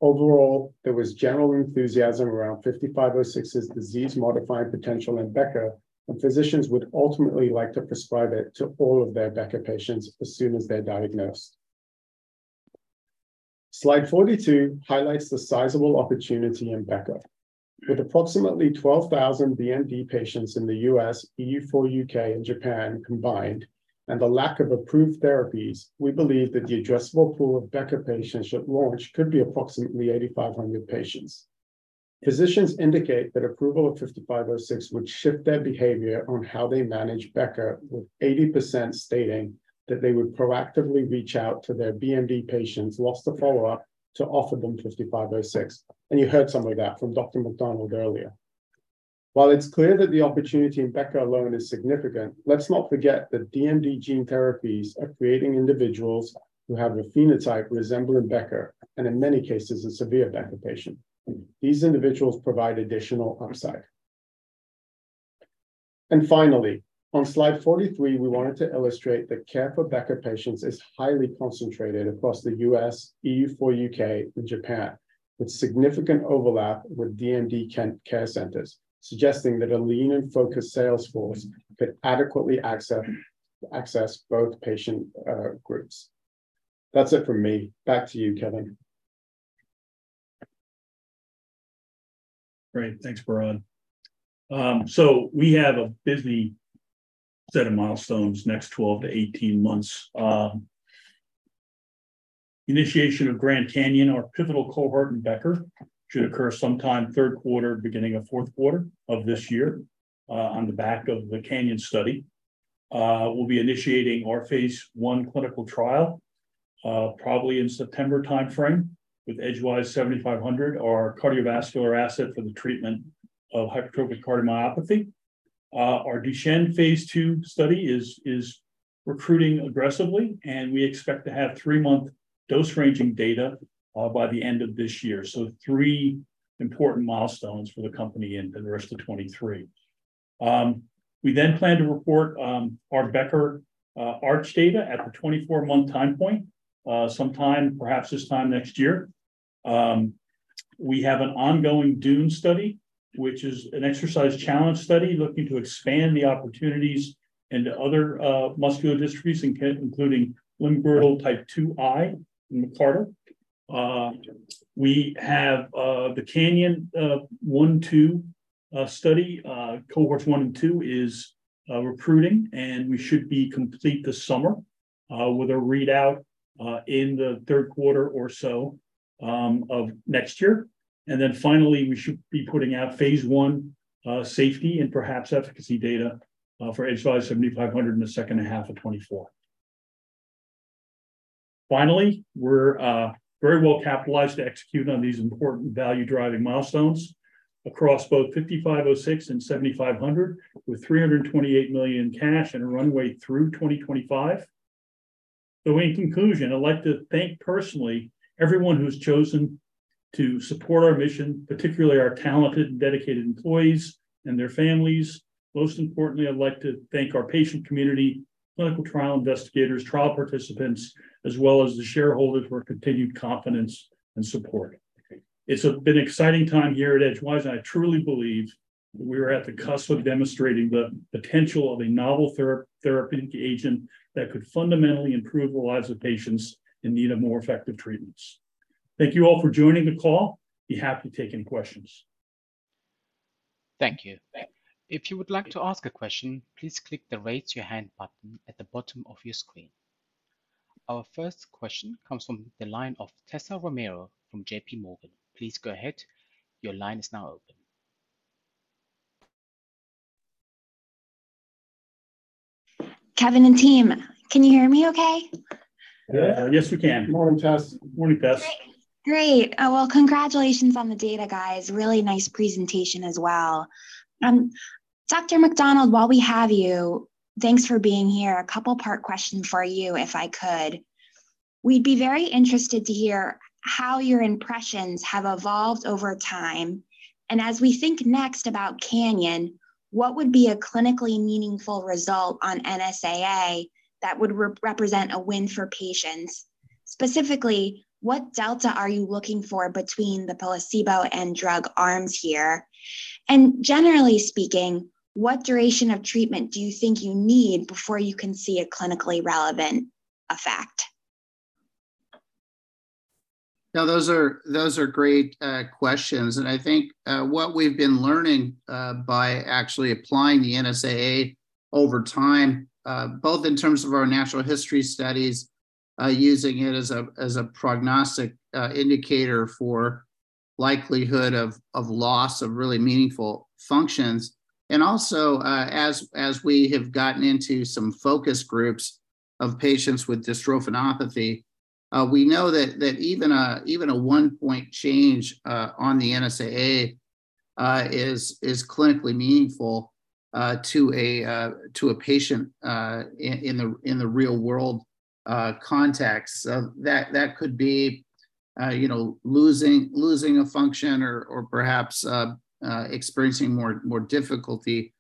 Overall, there was general enthusiasm around EDG-5506's disease-modifying potential in Becker, and physicians would ultimately like to prescribe it to all of their Becker patients as soon as they're diagnosed. Slide 42 highlights the sizable opportunity in Becker. With approximately 12,000 BMD patients in the U.S., EU4, U.K., and Japan combined, and the lack of approved therapies, we believe that the addressable pool of Becker patients at launch could be approximately 8,500 patients. Physicians indicate that approval of EDG-5506 would shift their behavior on how they manage Becker, with 80% stating that they would proactively reach out to their BMD patients lost to follow-up, to offer them EDG-5506. You heard some of that from Dr. Craig McDonald earlier. While it's clear that the opportunity in Becker alone is significant, let's not forget that DMD gene therapies are creating individuals who have a phenotype resembling Becker and, in many cases, a severe Becker patient. These individuals provide additional upside. Finally, on slide 43, we wanted to illustrate that care for Becker patients is highly concentrated across the U.S., EU4, U.K., and Japan, with significant overlap with DMD care centers, suggesting that a lean and focused sales force could adequately access both patient groups. That's it from me. Back to you, Kevin. Great. Thanks, Behrad. We have a busy set of milestones next 12-18 months. Initiation of GRAND CANYON, our pivotal cohort in Becker, should occur sometime third quarter, beginning of fourth quarter of this year, on the back of the CANYON study. We'll be initiating our phase I clinical trial, probably in September timeframe with EDG-7500, our cardiovascular asset for the treatment of hypertrophic cardiomyopathy. Our Duchenne phase II study is recruiting aggressively, and we expect to have three month dose-ranging data by the end of this year. Three important milestones for the company in the rest of 2023. We plan to report our Becker ARCH data at the 24 month time point, sometime perhaps this time next year. We have an ongoing DUNE study, which is an exercise challenge study looking to expand the opportunities into other muscular dystrophies including Limb-Girdle type 2I in McArdle. We have the CANYON 1, 2 study. Cohorts 1 and 2 is recruiting, and we should be complete this summer with a readout in the third quarter or so of 2024. Finally, we should be putting out phase I safety and perhaps efficacy data for EDG-7500 in the second half of 2024. We're very well capitalized to execute on these important value-driving milestones across both EDG-5506 and EDG-7500, with $328 million in cash and a runway through 2025. In conclusion, I'd like to thank personally everyone who's chosen to support our mission, particularly our talented and dedicated employees and their families. Most importantly, I'd like to thank our patient community, clinical trial investigators, trial participants, as well as the shareholders for continued confidence and support. It's been an exciting time here at Edgewise, and I truly believe we are at the cusp of demonstrating the potential of a novel therapeutic agent that could fundamentally improve the lives of patients in need of more effective treatments. Thank you all for joining the call. Be happy to take any questions. Thank you. If you would like to ask a question, please click the Raise Your Hand button at the bottom of your screen. Our first question comes from the line of Tessa Romero from JPMorgan. Please go ahead. Your line is now open. Kevin and team, can you hear me okay? Yeah. Yes, we can. Good morning, Tess. Morning, Tess. Great. Well, congratulations on the data, guys. Really nice presentation as well. Dr. McDonald, while we have you, thanks for being here. A couple part question for you, if I could. We'd be very interested to hear how your impressions have evolved over time, and as we think next about CANYON, what would be a clinically meaningful result on NSAA that would represent a win for patients? Specifically, what delta are you looking for between the placebo and drug arms here? Generally speaking, what duration of treatment do you think you need before you can see a clinically relevant effect? Those are great questions, and I think what we've been learning by actually applying the NSAA over time, both in terms of our natural history studies, using it as a prognostic indicator for likelihood of loss of really meaningful functions. Also, as we have gotten into some focus groups of patients with dystrophinopathy, we know that even a one point change on the NSAA is clinically meaningful to a patient in the real-world context. That could be, you know, losing a function or perhaps experiencing more difficulty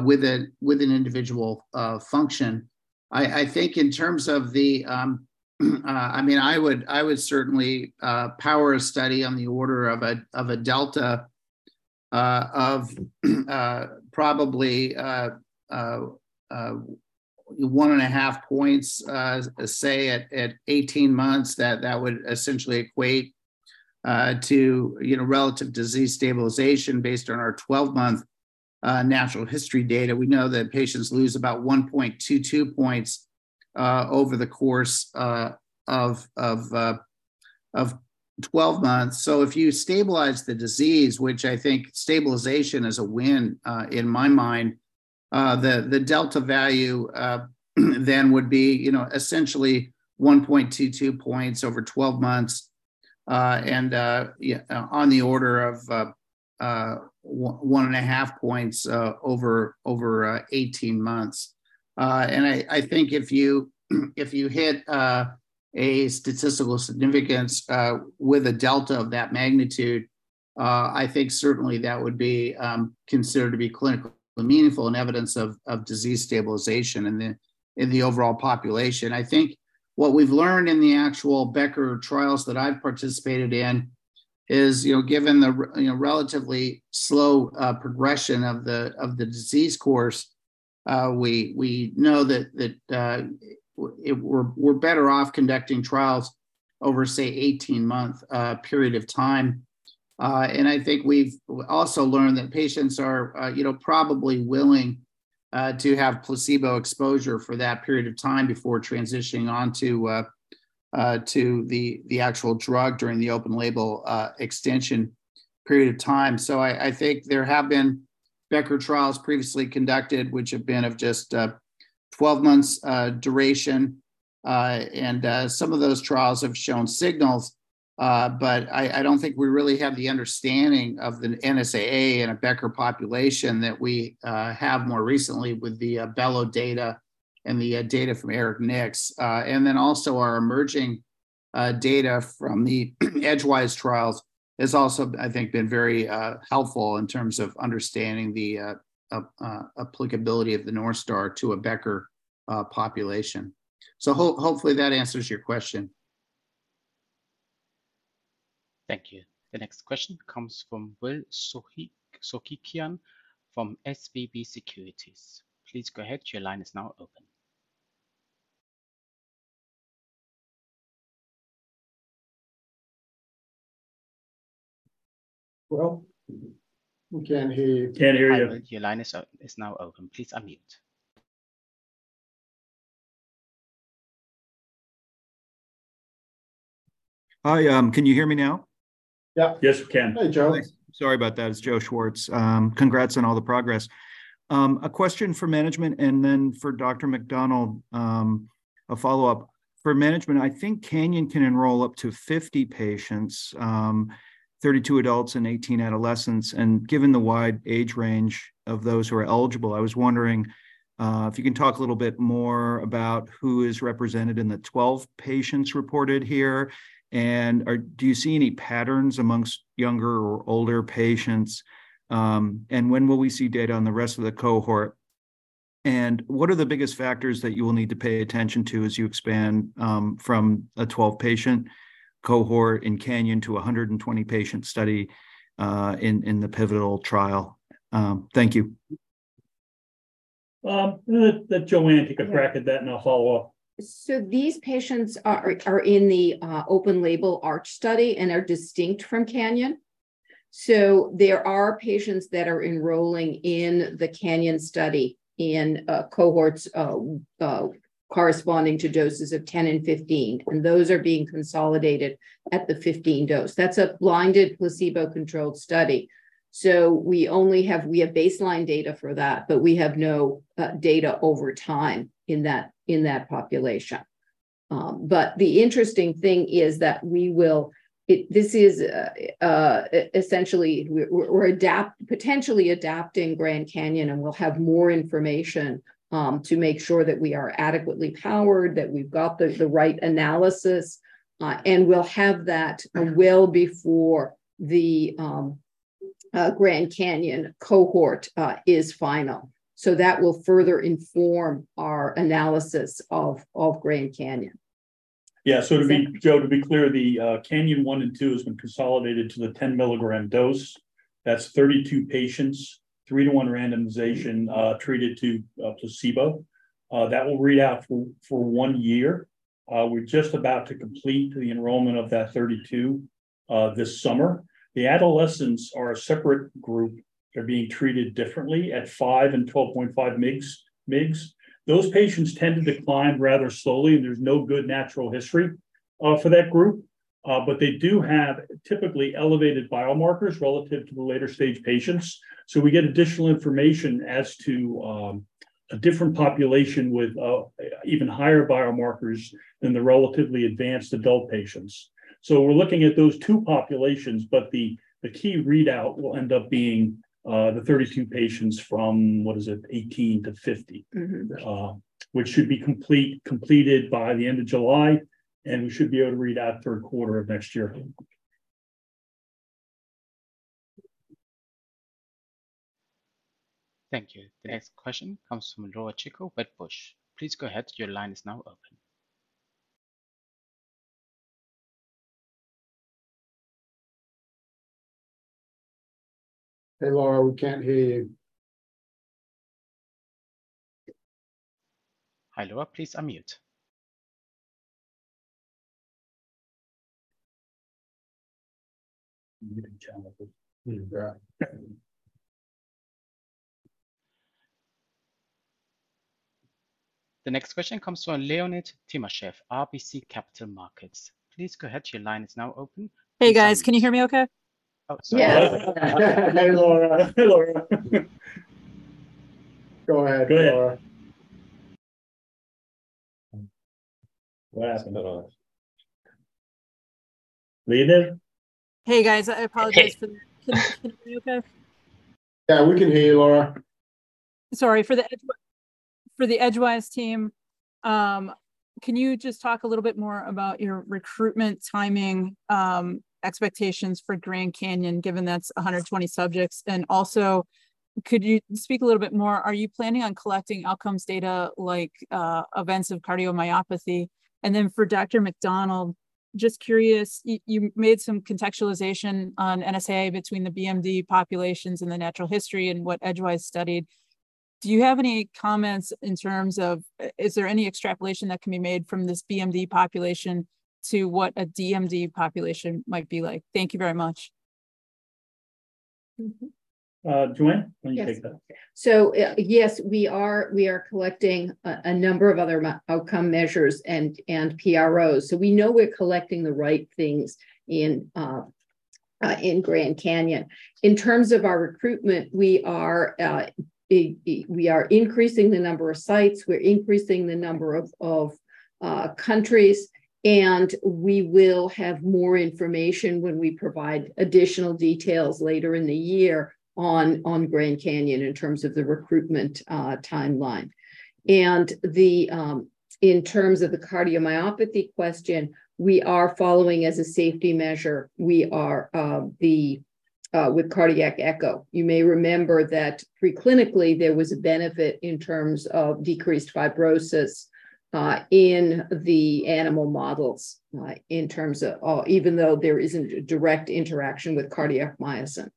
with an individual function. I think in terms of the. I mean, I would certainly power a study on the order of a delta of probably 1.5 points, say, at 18 months, that would essentially equate to, you know, relative disease stabilization. Based on our 12 month natural history data, we know that patients lose about 1.22 points over the course of 12 months. If you stabilize the disease, which I think stabilization is a win in my mind, the delta value then would be, you know, essentially 1.22 points over 12 months, and, yeah, on the order of 1.5 points over 18 months. I think if you, if you hit a statistical significance with a delta of that magnitude, I think certainly that would be considered to be clinically meaningful and evidence of disease stabilization in the overall population. What we've learned in the actual Becker trials that I've participated in is, you know, given the relatively slow progression of the disease course, we know that we're better off conducting trials over, say, 18 month period of time. We've also learned that patients are, you know, probably willing to have placebo exposure for that period of time before transitioning onto to the actual drug during the open-label extension period of time. I think there have been Becker trials previously conducted, which have been of just 12 months duration. And some of those trials have shown signals, but I don't think we really have the understanding of the NSAA in a Becker population that we have more recently with the Bello data and the data from Erik Niks. And then also our emerging data from the Edgewise trials has also, I think, been very helpful in terms of understanding the applicability of the North Star to a Becker population. Hopefully, that answers your question. Thank you. The next question comes from Will Soghikian from SVB Securities. Please go ahead, your line is now open. Will, we can't hear you. Can't hear you. Hi, your line is now open. Please unmute. Hi, can you hear me now? Yeah. Yes, we can. Hey, Joseph. Sorry about that. It's Joseph Schwartz. Congrats on all the progress. A question for management, and then for Dr. McDonald, a follow-up. For management, I think CANYON can enroll up to 50 patients, 32 adults and 18 adolescents. Given the wide age range of those who are eligible, I was wondering if you can talk a little more about who is represented in the 12 patients reported here. Do you see any patterns amongst younger or older patients? When will we see data on the rest of the cohort? What are the biggest factors that you will need to pay attention to as you expand from a 12 patient cohort in CANYON to a 120 patient study in the pivotal trial? Thank you. Let Joanne take a crack at that, and I'll follow up. These patients are in the Open Label ARCH study and are distinct from CANYON. There are patients that are enrolling in the CANYON study in cohorts corresponding to doses of 10 and 15, and those are being consolidated at the 15 dose. That's a blinded, placebo-controlled study. We have baseline data for that, but we have no data over time in that population. The interesting thing is that we will this is essentially, we're potentially adapting GRAND CANYON, and we'll have more information to make sure that we are adequately powered, that we've got the right analysis, and we'll have that well before the GRAND CANYON cohort is final. That will further inform our analysis of GRAND CANYON. To be, Joe, to be clear, the CANYON 1 and 2 has been consolidated to the 10 mg dose. That's 32 patients, three to one randomization, treated to placebo. That will read out for one year. We're just about to complete the enrollment of that 32 this summer. The adolescents are a separate group. They're being treated differently at 5 and 12.5 mg. Those patients tend to decline rather slowly, there's no good natural history for that group. They do have typically elevated biomarkers relative to the later-stage patients. We get additional information as to a different population with even higher biomarkers than the relatively advanced adult patients. We're looking at those two populations, the key readout will end up being the 32 patients from, what is it? 18 to 50. Mm-hmm. Which should be completed by the end of July, and we should be able to read out third quarter of next year. Thank you. The next question comes from Laura Chico, Wedbush. Please go ahead. Your line is now open. Hey, Laura, we can't hear you. Hi, Laura. Please unmute. Yeah. The next question comes from Leonid Timashev, RBC Capital Markets. Please go ahead. Your line is now open. Hey, guys, can you hear me okay? Oh, sorry. Yes. Hey, Laura. Go ahead, Laura. What are you asking about? Leonid? Hey, guys, I apologize for. Hey. Can you hear me okay? Yeah, we can hear you, Laura. Sorry, for the Edgewise team, can you just talk a little bit more about your recruitment timing, expectations for GRAND CANYON, given that's 120 subjects? Could you speak a little bit more, are you planning on collecting outcomes data like events of cardiomyopathy? For Dr. McDonald, just curious, you made some contextualization on NSAA between the BMD populations and the natural history and what Edgewise studied. Do you have any comments in terms of, is there any extrapolation that can be made from this BMD population to what a DMD population might be like? Thank you very much. Mm-hmm. Joanne, why don't you take that? Yes, yes, we are, we are collecting a number of other outcome measures and PROs. We know we're collecting the right things in GRAND CANYON. In terms of our recruitment, we are increasing the number of sites, we're increasing the number of countries, and we will have more information when we provide additional details later in the year on GRAND CANYON in terms of the recruitment timeline. The in terms of the cardiomyopathy question, we are following as a safety measure. We are with cardiac echo. You may remember that pre-clinically there was a benefit in terms of decreased fibrosis in the animal models in terms of even though there isn't a direct interaction with cardiac myosin.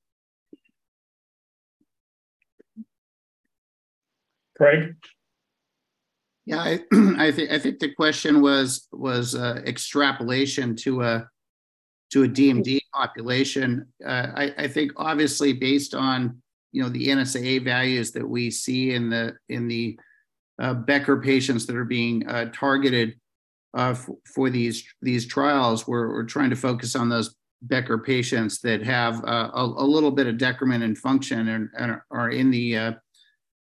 Craig? Yeah, I think the question was extrapolation to a DMD population. I think obviously based on, you know, the NSAA values that we see in the Becker patients that are being targeted for these trials, we're trying to focus on those Becker patients that have a little bit of decrement in function and are in the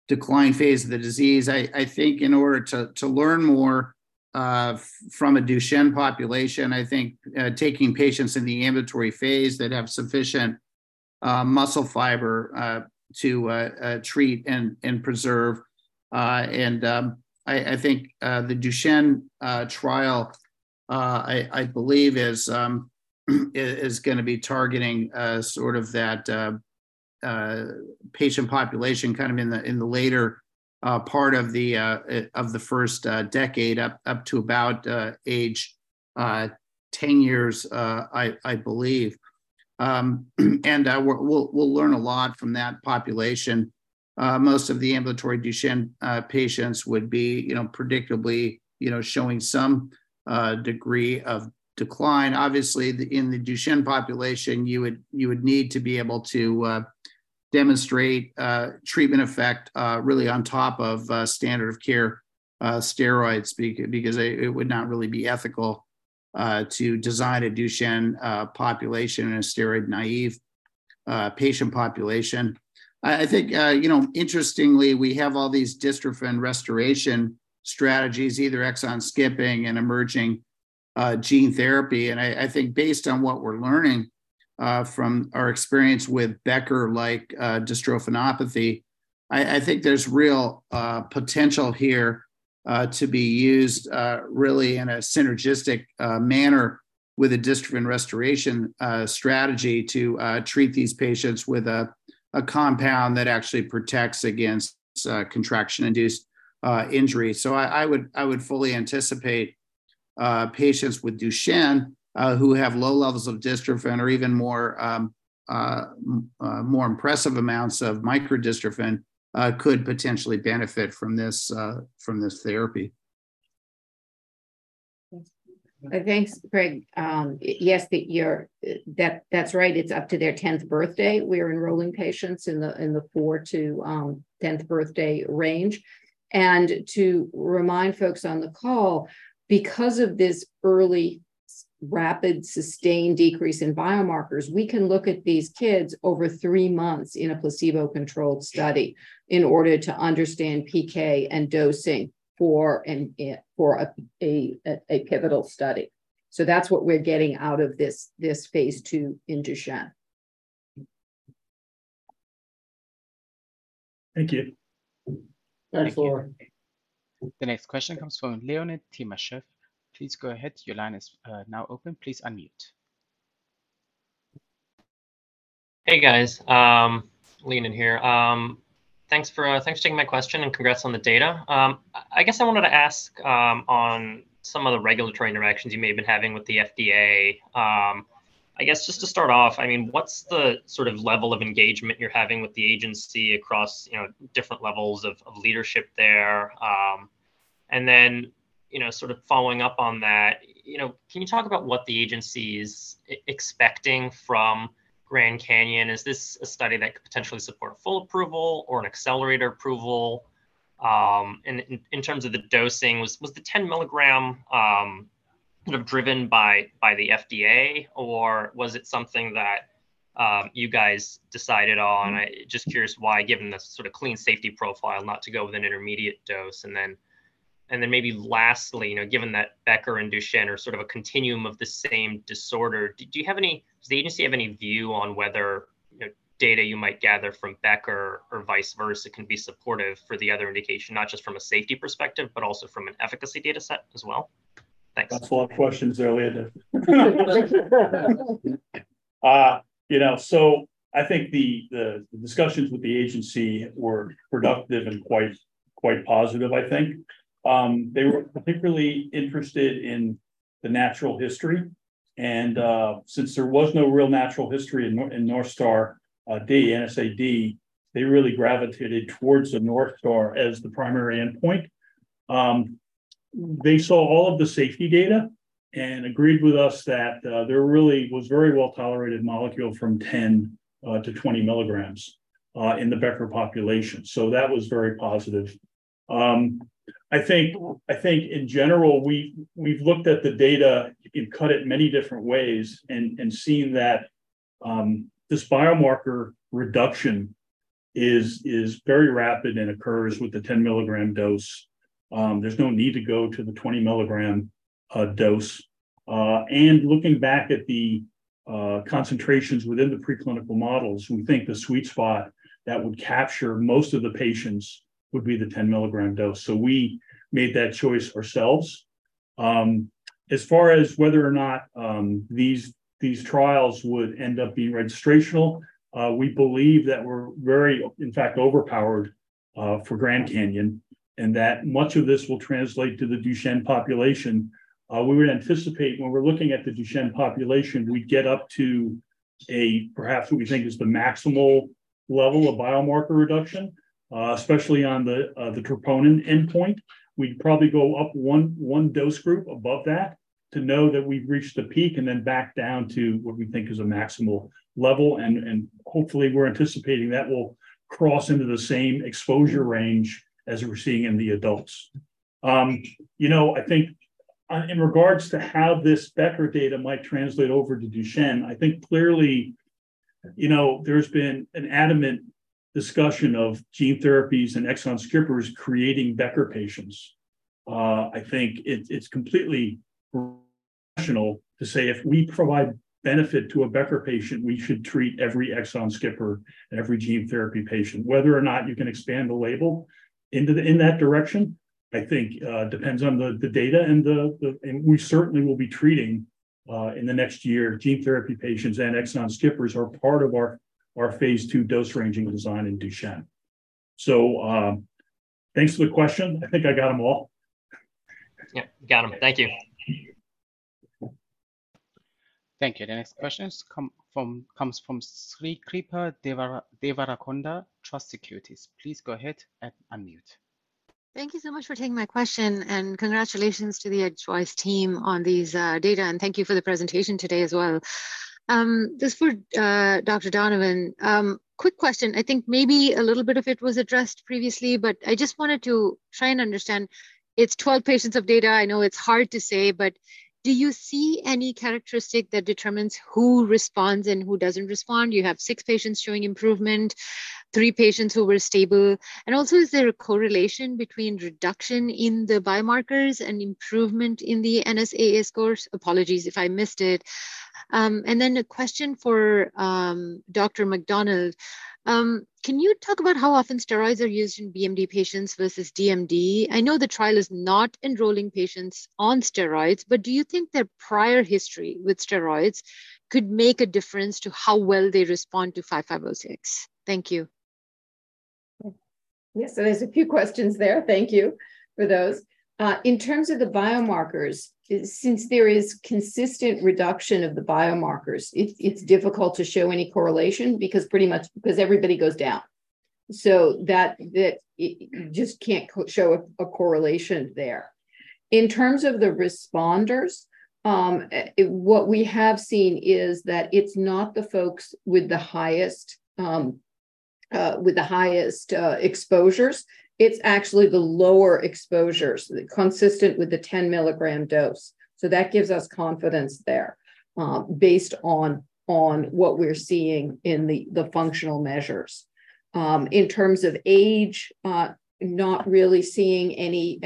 decline phase of the disease. I think in order to learn more from a Duchenne population, I think taking patients in the ambulatory phase that have sufficient muscle fiber to treat and preserve. I think the Duchenne trial I believe is gonna be targeting sort of that patient population kind of in the later part of the first decade, up to about age 10 years, I believe. We'll learn a lot from that population. Most of the ambulatory Duchenne patients would be, you know, predictably, you know, showing some degree of decline. Obviously, in the Duchenne population, you would need to be able to demonstrate treatment effect really on top of standard of care steroids because it would not really be ethical to design a Duchenne population in a steroid-naive patient population. I think, you know, interestingly, we have all these dystrophin restoration strategies, either exon skipping and emerging gene therapy. Based on what we're learning from our experience with Becker-like dystrophinopathy, I think there's real potential here to be used really in a synergistic manner with a dystrophin restoration strategy to treat these patients with a compound that actually protects against contraction-induced injury. I would fully anticipate patients with Duchenne who have low levels of dystrophin or even more impressive amounts of micro-dystrophin could potentially benefit from this therapy. Thanks, Craig. That's right, it's up to their 10th birthday. We are enrolling patients in the 4 to 10th birthday range. To remind folks on the call, because of this early, rapid, sustained decrease in biomarkers, we can look at these kids over three months in a placebo-controlled study in order to understand PK and dosing for a pivotal study. That's what we're getting out of this phase II in Duchenne. Thank you. Thanks, Laura. The next question comes from Leonid Timashev. Please go ahead. Your line is now open. Please unmute. Hey, guys, Leonid here. Thanks for taking my question, and congrats on the data. I guess I wanted to ask on some of the regulatory interactions you may have been having with the FDA. I guess just to start off, I mean, what's the sort of level of engagement you're having with the agency across, you know, different levels of leadership there? Then, you know, sort of following up on that, you know, can you talk about what the agency is expecting from GRAND CANYON? Is this a study that could potentially support full approval or an accelerator approval? In terms of the dosing, was the 10 mg kind of driven by the FDA, or was it something that-... you guys decided on. I'm just curious why, given the sort of clean safety profile, not to go with an intermediate dose? Then maybe lastly, you know, given that Becker and Duchenne are sort of a continuum of the same disorder, do you have any view on whether, you know, data you might gather from Becker or vice versa can be supportive for the other indication, not just from a safety perspective, but also from an efficacy data set as well? Thanks. That's a lot of questions there, Leonid. You know, I think the discussions with the agency were productive and quite positive, I think. They were particularly interested in the natural history, since there was no real natural history in NSAA, they really gravitated towards the Northstar as the primary endpoint. They saw all of the safety data and agreed with us that there really was very well-tolerated molecule from 10 to 20 mg in the Becker population. That was very positive. I think in general, we've looked at the data and cut it many different ways and seen that this biomarker reduction is very rapid and occurs with the 10 mg dose. There's no need to go to the 20 mg dose. Looking back at the concentrations within the preclinical models, we think the sweet spot that would capture most of the patients would be the 10 mg dose. We made that choice ourselves. As far as whether or not these trials would end up being registrational, we believe that we're very, in fact, overpowered for GRAND CANYON, and that much of this will translate to the Duchenne population. We would anticipate when we're looking at the Duchenne population, we'd get up to a perhaps what we think is the maximal level of biomarker reduction, especially on the troponin endpoint. We'd probably go up one dose group above that to know that we've reached the peak and then back down to what we think is a maximal level, and hopefully, we're anticipating that will cross into the same exposure range as we're seeing in the adults. You know, I think in regards to how this Becker data might translate over to Duchenne, I think clearly, you know, there's been an adamant discussion of gene therapies and exon skippers creating Becker patients. I think it's completely rational to say if we provide benefit to a Becker patient, we should treat every exon skipper and every gene therapy patient. Whether or not you can expand the label into that direction, I think depends on the data and we certainly will be treating in the next year, gene therapy patients and exon skippers are part of our phase II dose ranging design in Duchenne. Thanks for the question. I think I got them all. Yep, got them. Thank you. Thank you. The next question comes from Srikripa Devarakonda, Truist Securities. Please go ahead and unmute. Thank you so much for taking my question, and congratulations to the Edgewise Therapeutics team on these data, and thank you for the presentation today as well. This is for Dr. Donovan. Quick question. I think maybe a little bit of it was addressed previously, but I just wanted to try and understand. It's 12 patients of data. I know it's hard to say, but do you see any characteristic that determines who responds and who doesn't respond? You have six patients showing improvement, three patients who were stable. Also, is there a correlation between reduction in the biomarkers and improvement in the NSAAS scores? Apologies if I missed it. A question for Dr. McDonald. Can you talk about how often steroids are used in BMD patients versus DMD? I know the trial is not enrolling patients on steroids, but do you think their prior history with steroids could make a difference to how well they respond to EDG-5506? Thank you. There's a few questions there. Thank you for those. In terms of the biomarkers, since there is consistent reduction of the biomarkers, it's difficult to show any correlation because pretty much everybody goes down. It just can't show a correlation there. In terms of the responders, what we have seen is that it's not the folks with the highest exposures. It's actually the lower exposures, consistent with the 10 mg dose. That gives us confidence there, based on what we're seeing in the functional measures. In terms of age, not really seeing any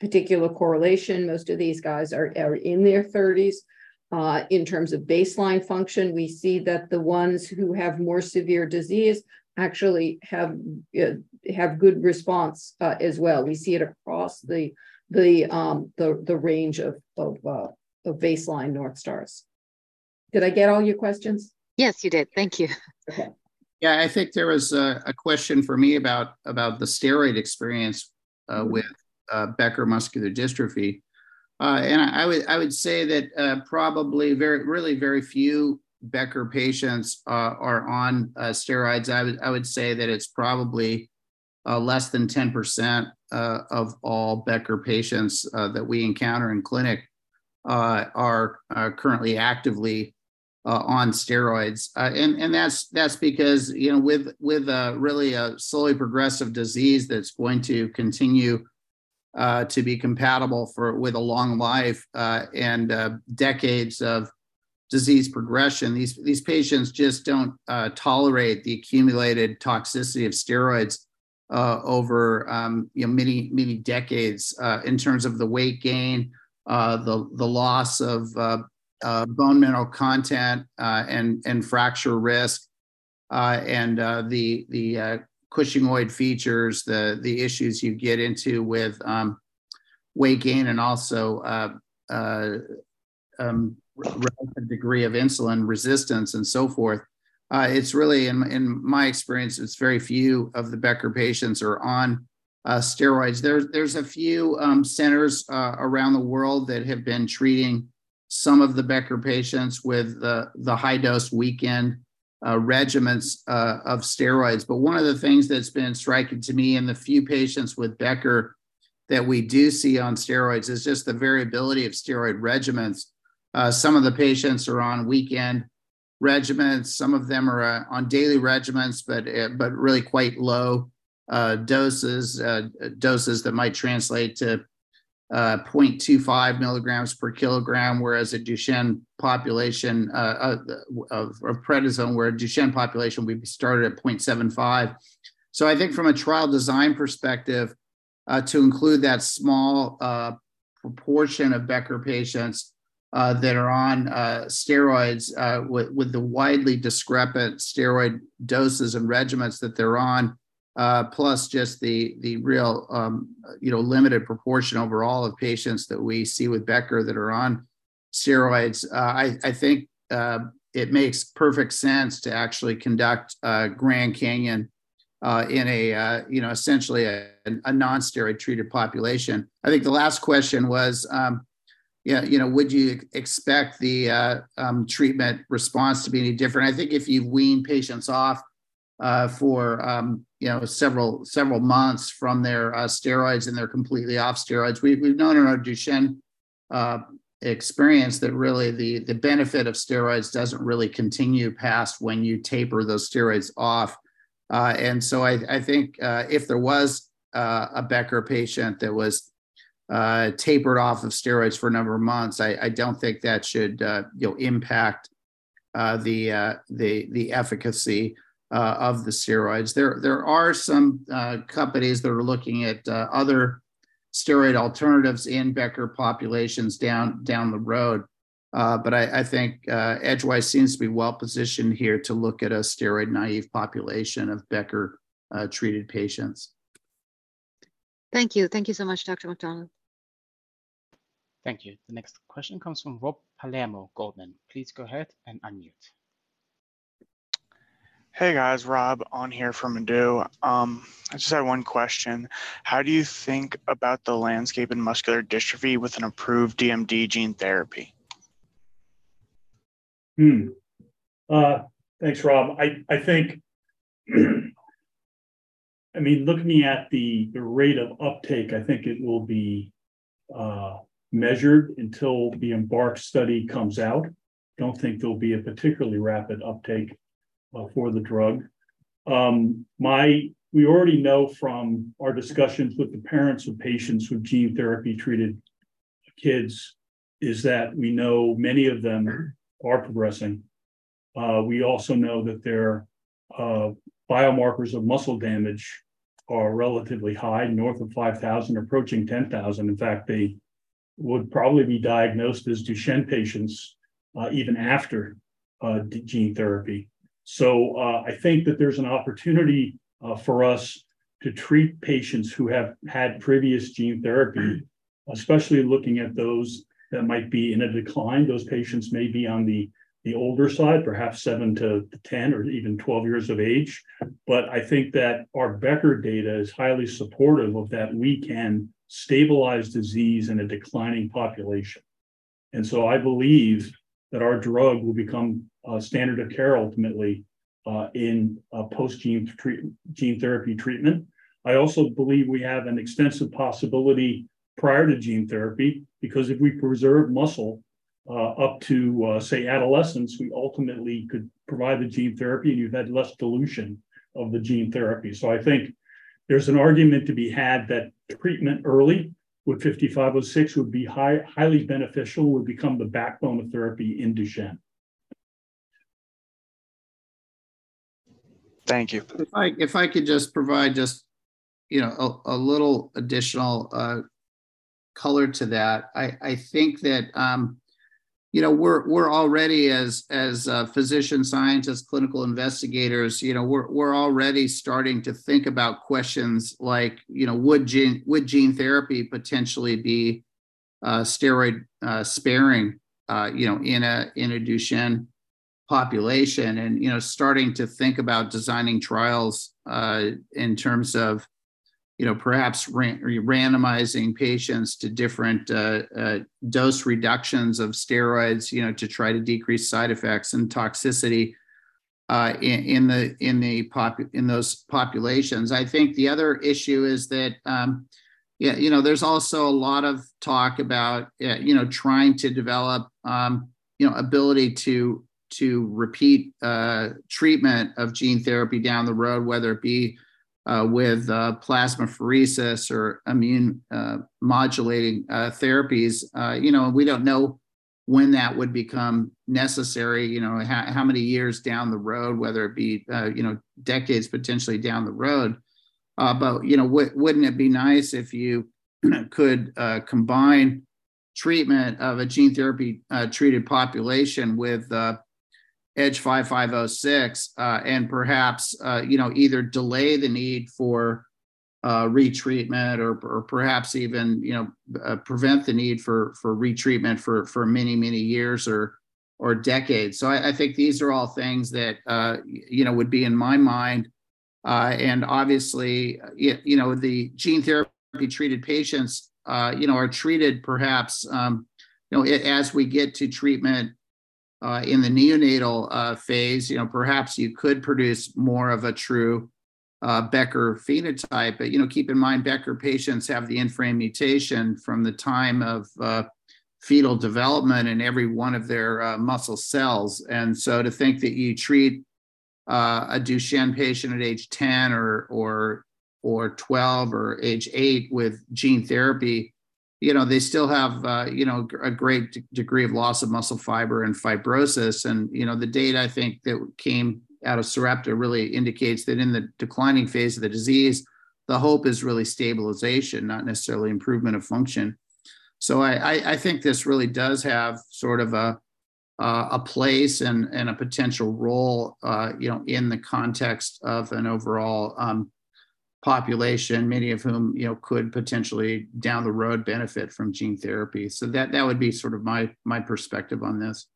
particular correlation. Most of these guys are in their thirties. In terms of baseline function, we see that the ones who have more severe disease actually have good response as well. We see it across the, the range of, the baseline NorthStars. Did I get all your questions? Yes, you did. Thank you. Okay. Yeah, I think there was a question for me about the steroid experience with Becker muscular dystrophy. I would say that really very few Becker patients are on steroids. I would say that it's probably less than 10% of all Becker patients that we encounter in clinic are currently actively on steroids. That's because, you know, with a really a slowly progressive disease that's going to continue. To be compatible for, with a long life, and decades of disease progression. These patients just don't tolerate the accumulated toxicity of steroids over, you know, many, many decades. In terms of the weight gain, the loss of bone mineral content, and fracture risk, and the Cushingoid features, the issues you get into with weight gain and also relevant degree of insulin resistance, and so forth. It's really in my experience, it's very few of the Becker patients are on steroids. There's a few centers around the world that have been treating some of the Becker patients with the high-dose weekend regimens of steroids. One of the things that's been striking to me in the few patients with Becker that we do see on steroids is just the variability of steroid regimens. Some of the patients are on weekend regimens, some of them are on daily regimens, but really quite low doses that might translate to 0.25 mg per kilogram. Whereas a Duchenne population of prednisone, where a Duchenne population we started at 0.75. I think from a trial design perspective, to include that small proportion of Becker patients that are on steroids, with the widely discrepant steroid doses and regimens that they're on, plus just the real, you know, limited proportion overall of patients that we see with Becker that are on steroids. I think it makes perfect sense to actually conduct a GRAND CANYON in a, you know, essentially a non-steroid treated population. I think the last question was, yeah, you know, would you expect the treatment response to be any different? I think if you wean patients off for, you know, several months from their steroids, and they're completely off steroids, we've known in our Duchenne experience that really the benefit of steroids doesn't really continue past when you taper those steroids off. I think if there was a Becker patient that was tapered off of steroids for a number of months, I don't think that should, you know, impact the efficacy of the steroids. There are some companies that are looking at other steroid alternatives in Becker populations down the road. I think Edgewise seems to be well positioned here to look at a steroid-naive population of Becker treated patients. Thank you. Thank you so much, Dr. McDonald. Thank you. The next question comes from Rob Palermo Goldman. Please go ahead and unmute. Hey, guys, Rob on here from Arda Ural. I just had one question: How do you think about the landscape in muscular dystrophy with an approved DMD gene therapy? Thanks, Rob. I think, I mean, looking at the rate of uptake, I think it will be measured until the EMBARK study comes out. Don't think there'll be a particularly rapid uptake for the drug. We already know from our discussions with the parents of patients with gene therapy-treated kids, is that we know many of them are progressing. We also know that their biomarkers of muscle damage are relatively high, north of 5,000, approaching 10,000. In fact, they would probably be diagnosed as Duchenne patients even after the gene therapy. I think that there's an opportunity for us to treat patients who have had previous gene therapy, especially looking at those that might be in a decline. Those patients may be on the older side, perhaps seven to 10 or even 12 years of age. I think that our Becker data is highly supportive of that we can stabilize disease in a declining population. I believe that our drug will become a standard of care ultimately in post gene therapy treatment. I also believe we have an extensive possibility prior to gene therapy, because if we preserve muscle up to say adolescence, we ultimately could provide the gene therapy, and you've had less dilution of the gene therapy. I think there's an argument to be had that treatment early with EDG-5506 would be highly beneficial, would become the backbone of therapy in Duchenne. Thank you. If I could just provide just, you know, a little additional color to that. I think that, you know, we're already as physician scientists, clinical investigators, you know, we're already starting to think about questions like, you know, would gene therapy potentially be steroid sparing, you know, in a Duchenne population? You know, starting to think about designing trials in terms of, you know, perhaps randomizing patients to different dose reductions of steroids, you know, to try to decrease side effects and toxicity in those populations. I think the other issue is that, yeah, you know, there's also a lot of talk about, you know, trying to develop, you know, ability to repeat treatment of gene therapy down the road, whether it be with plasmapheresis or immune modulating therapies. You know, we don't know when that would become necessary, you know, how many years down the road, whether it be, you know, decades potentially down the road. You know, wouldn't it be nice if you know, could combine treatment of a gene therapy treated population with EDG-5506, and perhaps, you know, either delay the need for retreatment or perhaps even, you know, prevent the need for retreatment for many, many years or decades? I think these are all things that, you know, would be in my mind. Obviously, you know, the gene therapy-treated patients, you know, are treated perhaps, you know, as we get to treatment, in the neonatal phase, you know, perhaps you could produce more of a true Becker phenotype. You know, keep in mind, Becker patients have the in-frame mutation from the time of fetal development in every one of their muscle cells. To think that you treat a Duchenne patient at age 10 or 12, or age eight with gene therapy, you know, they still have, you know, a great degree of loss of muscle fiber and fibrosis. You know, the data I think that came out of Sarepta really indicates that in the declining phase of the disease, the hope is really stabilization, not necessarily improvement of function. I think this really does have sort of a place and a potential role, you know, in the context of an overall population, many of whom, you know, could potentially down the road benefit from gene therapy. That would be sort of my perspective on this.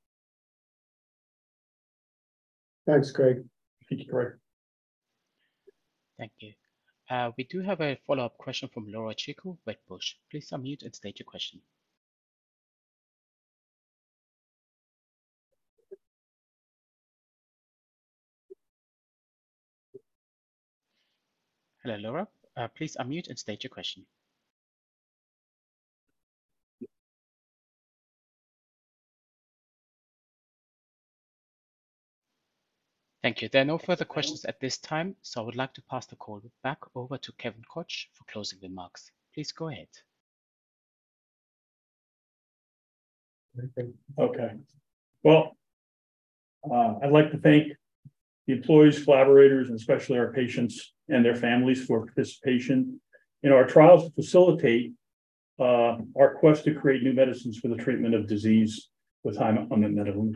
Thanks, Craig. Thank you, Rob. Thank you. We do have a follow-up question from Laura Chico, Wedbush. Please unmute and state your question. Hello, Laura, please unmute and state your question. Thank you. There are no further questions at this time, I would like to pass the call back over to Kevin Koch for closing remarks. Please go ahead. Well, I'd like to thank the employees, collaborators, and especially our patients and their families for participation in our trials to facilitate our quest to create new medicines for the treatment of disease with high unmet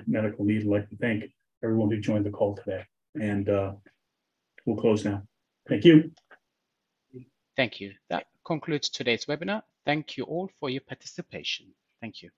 medical need. I'd like to thank everyone who joined the call today. We'll close now. Thank you! Thank you. That concludes today's webinar. Thank you all for your participation. Thank you.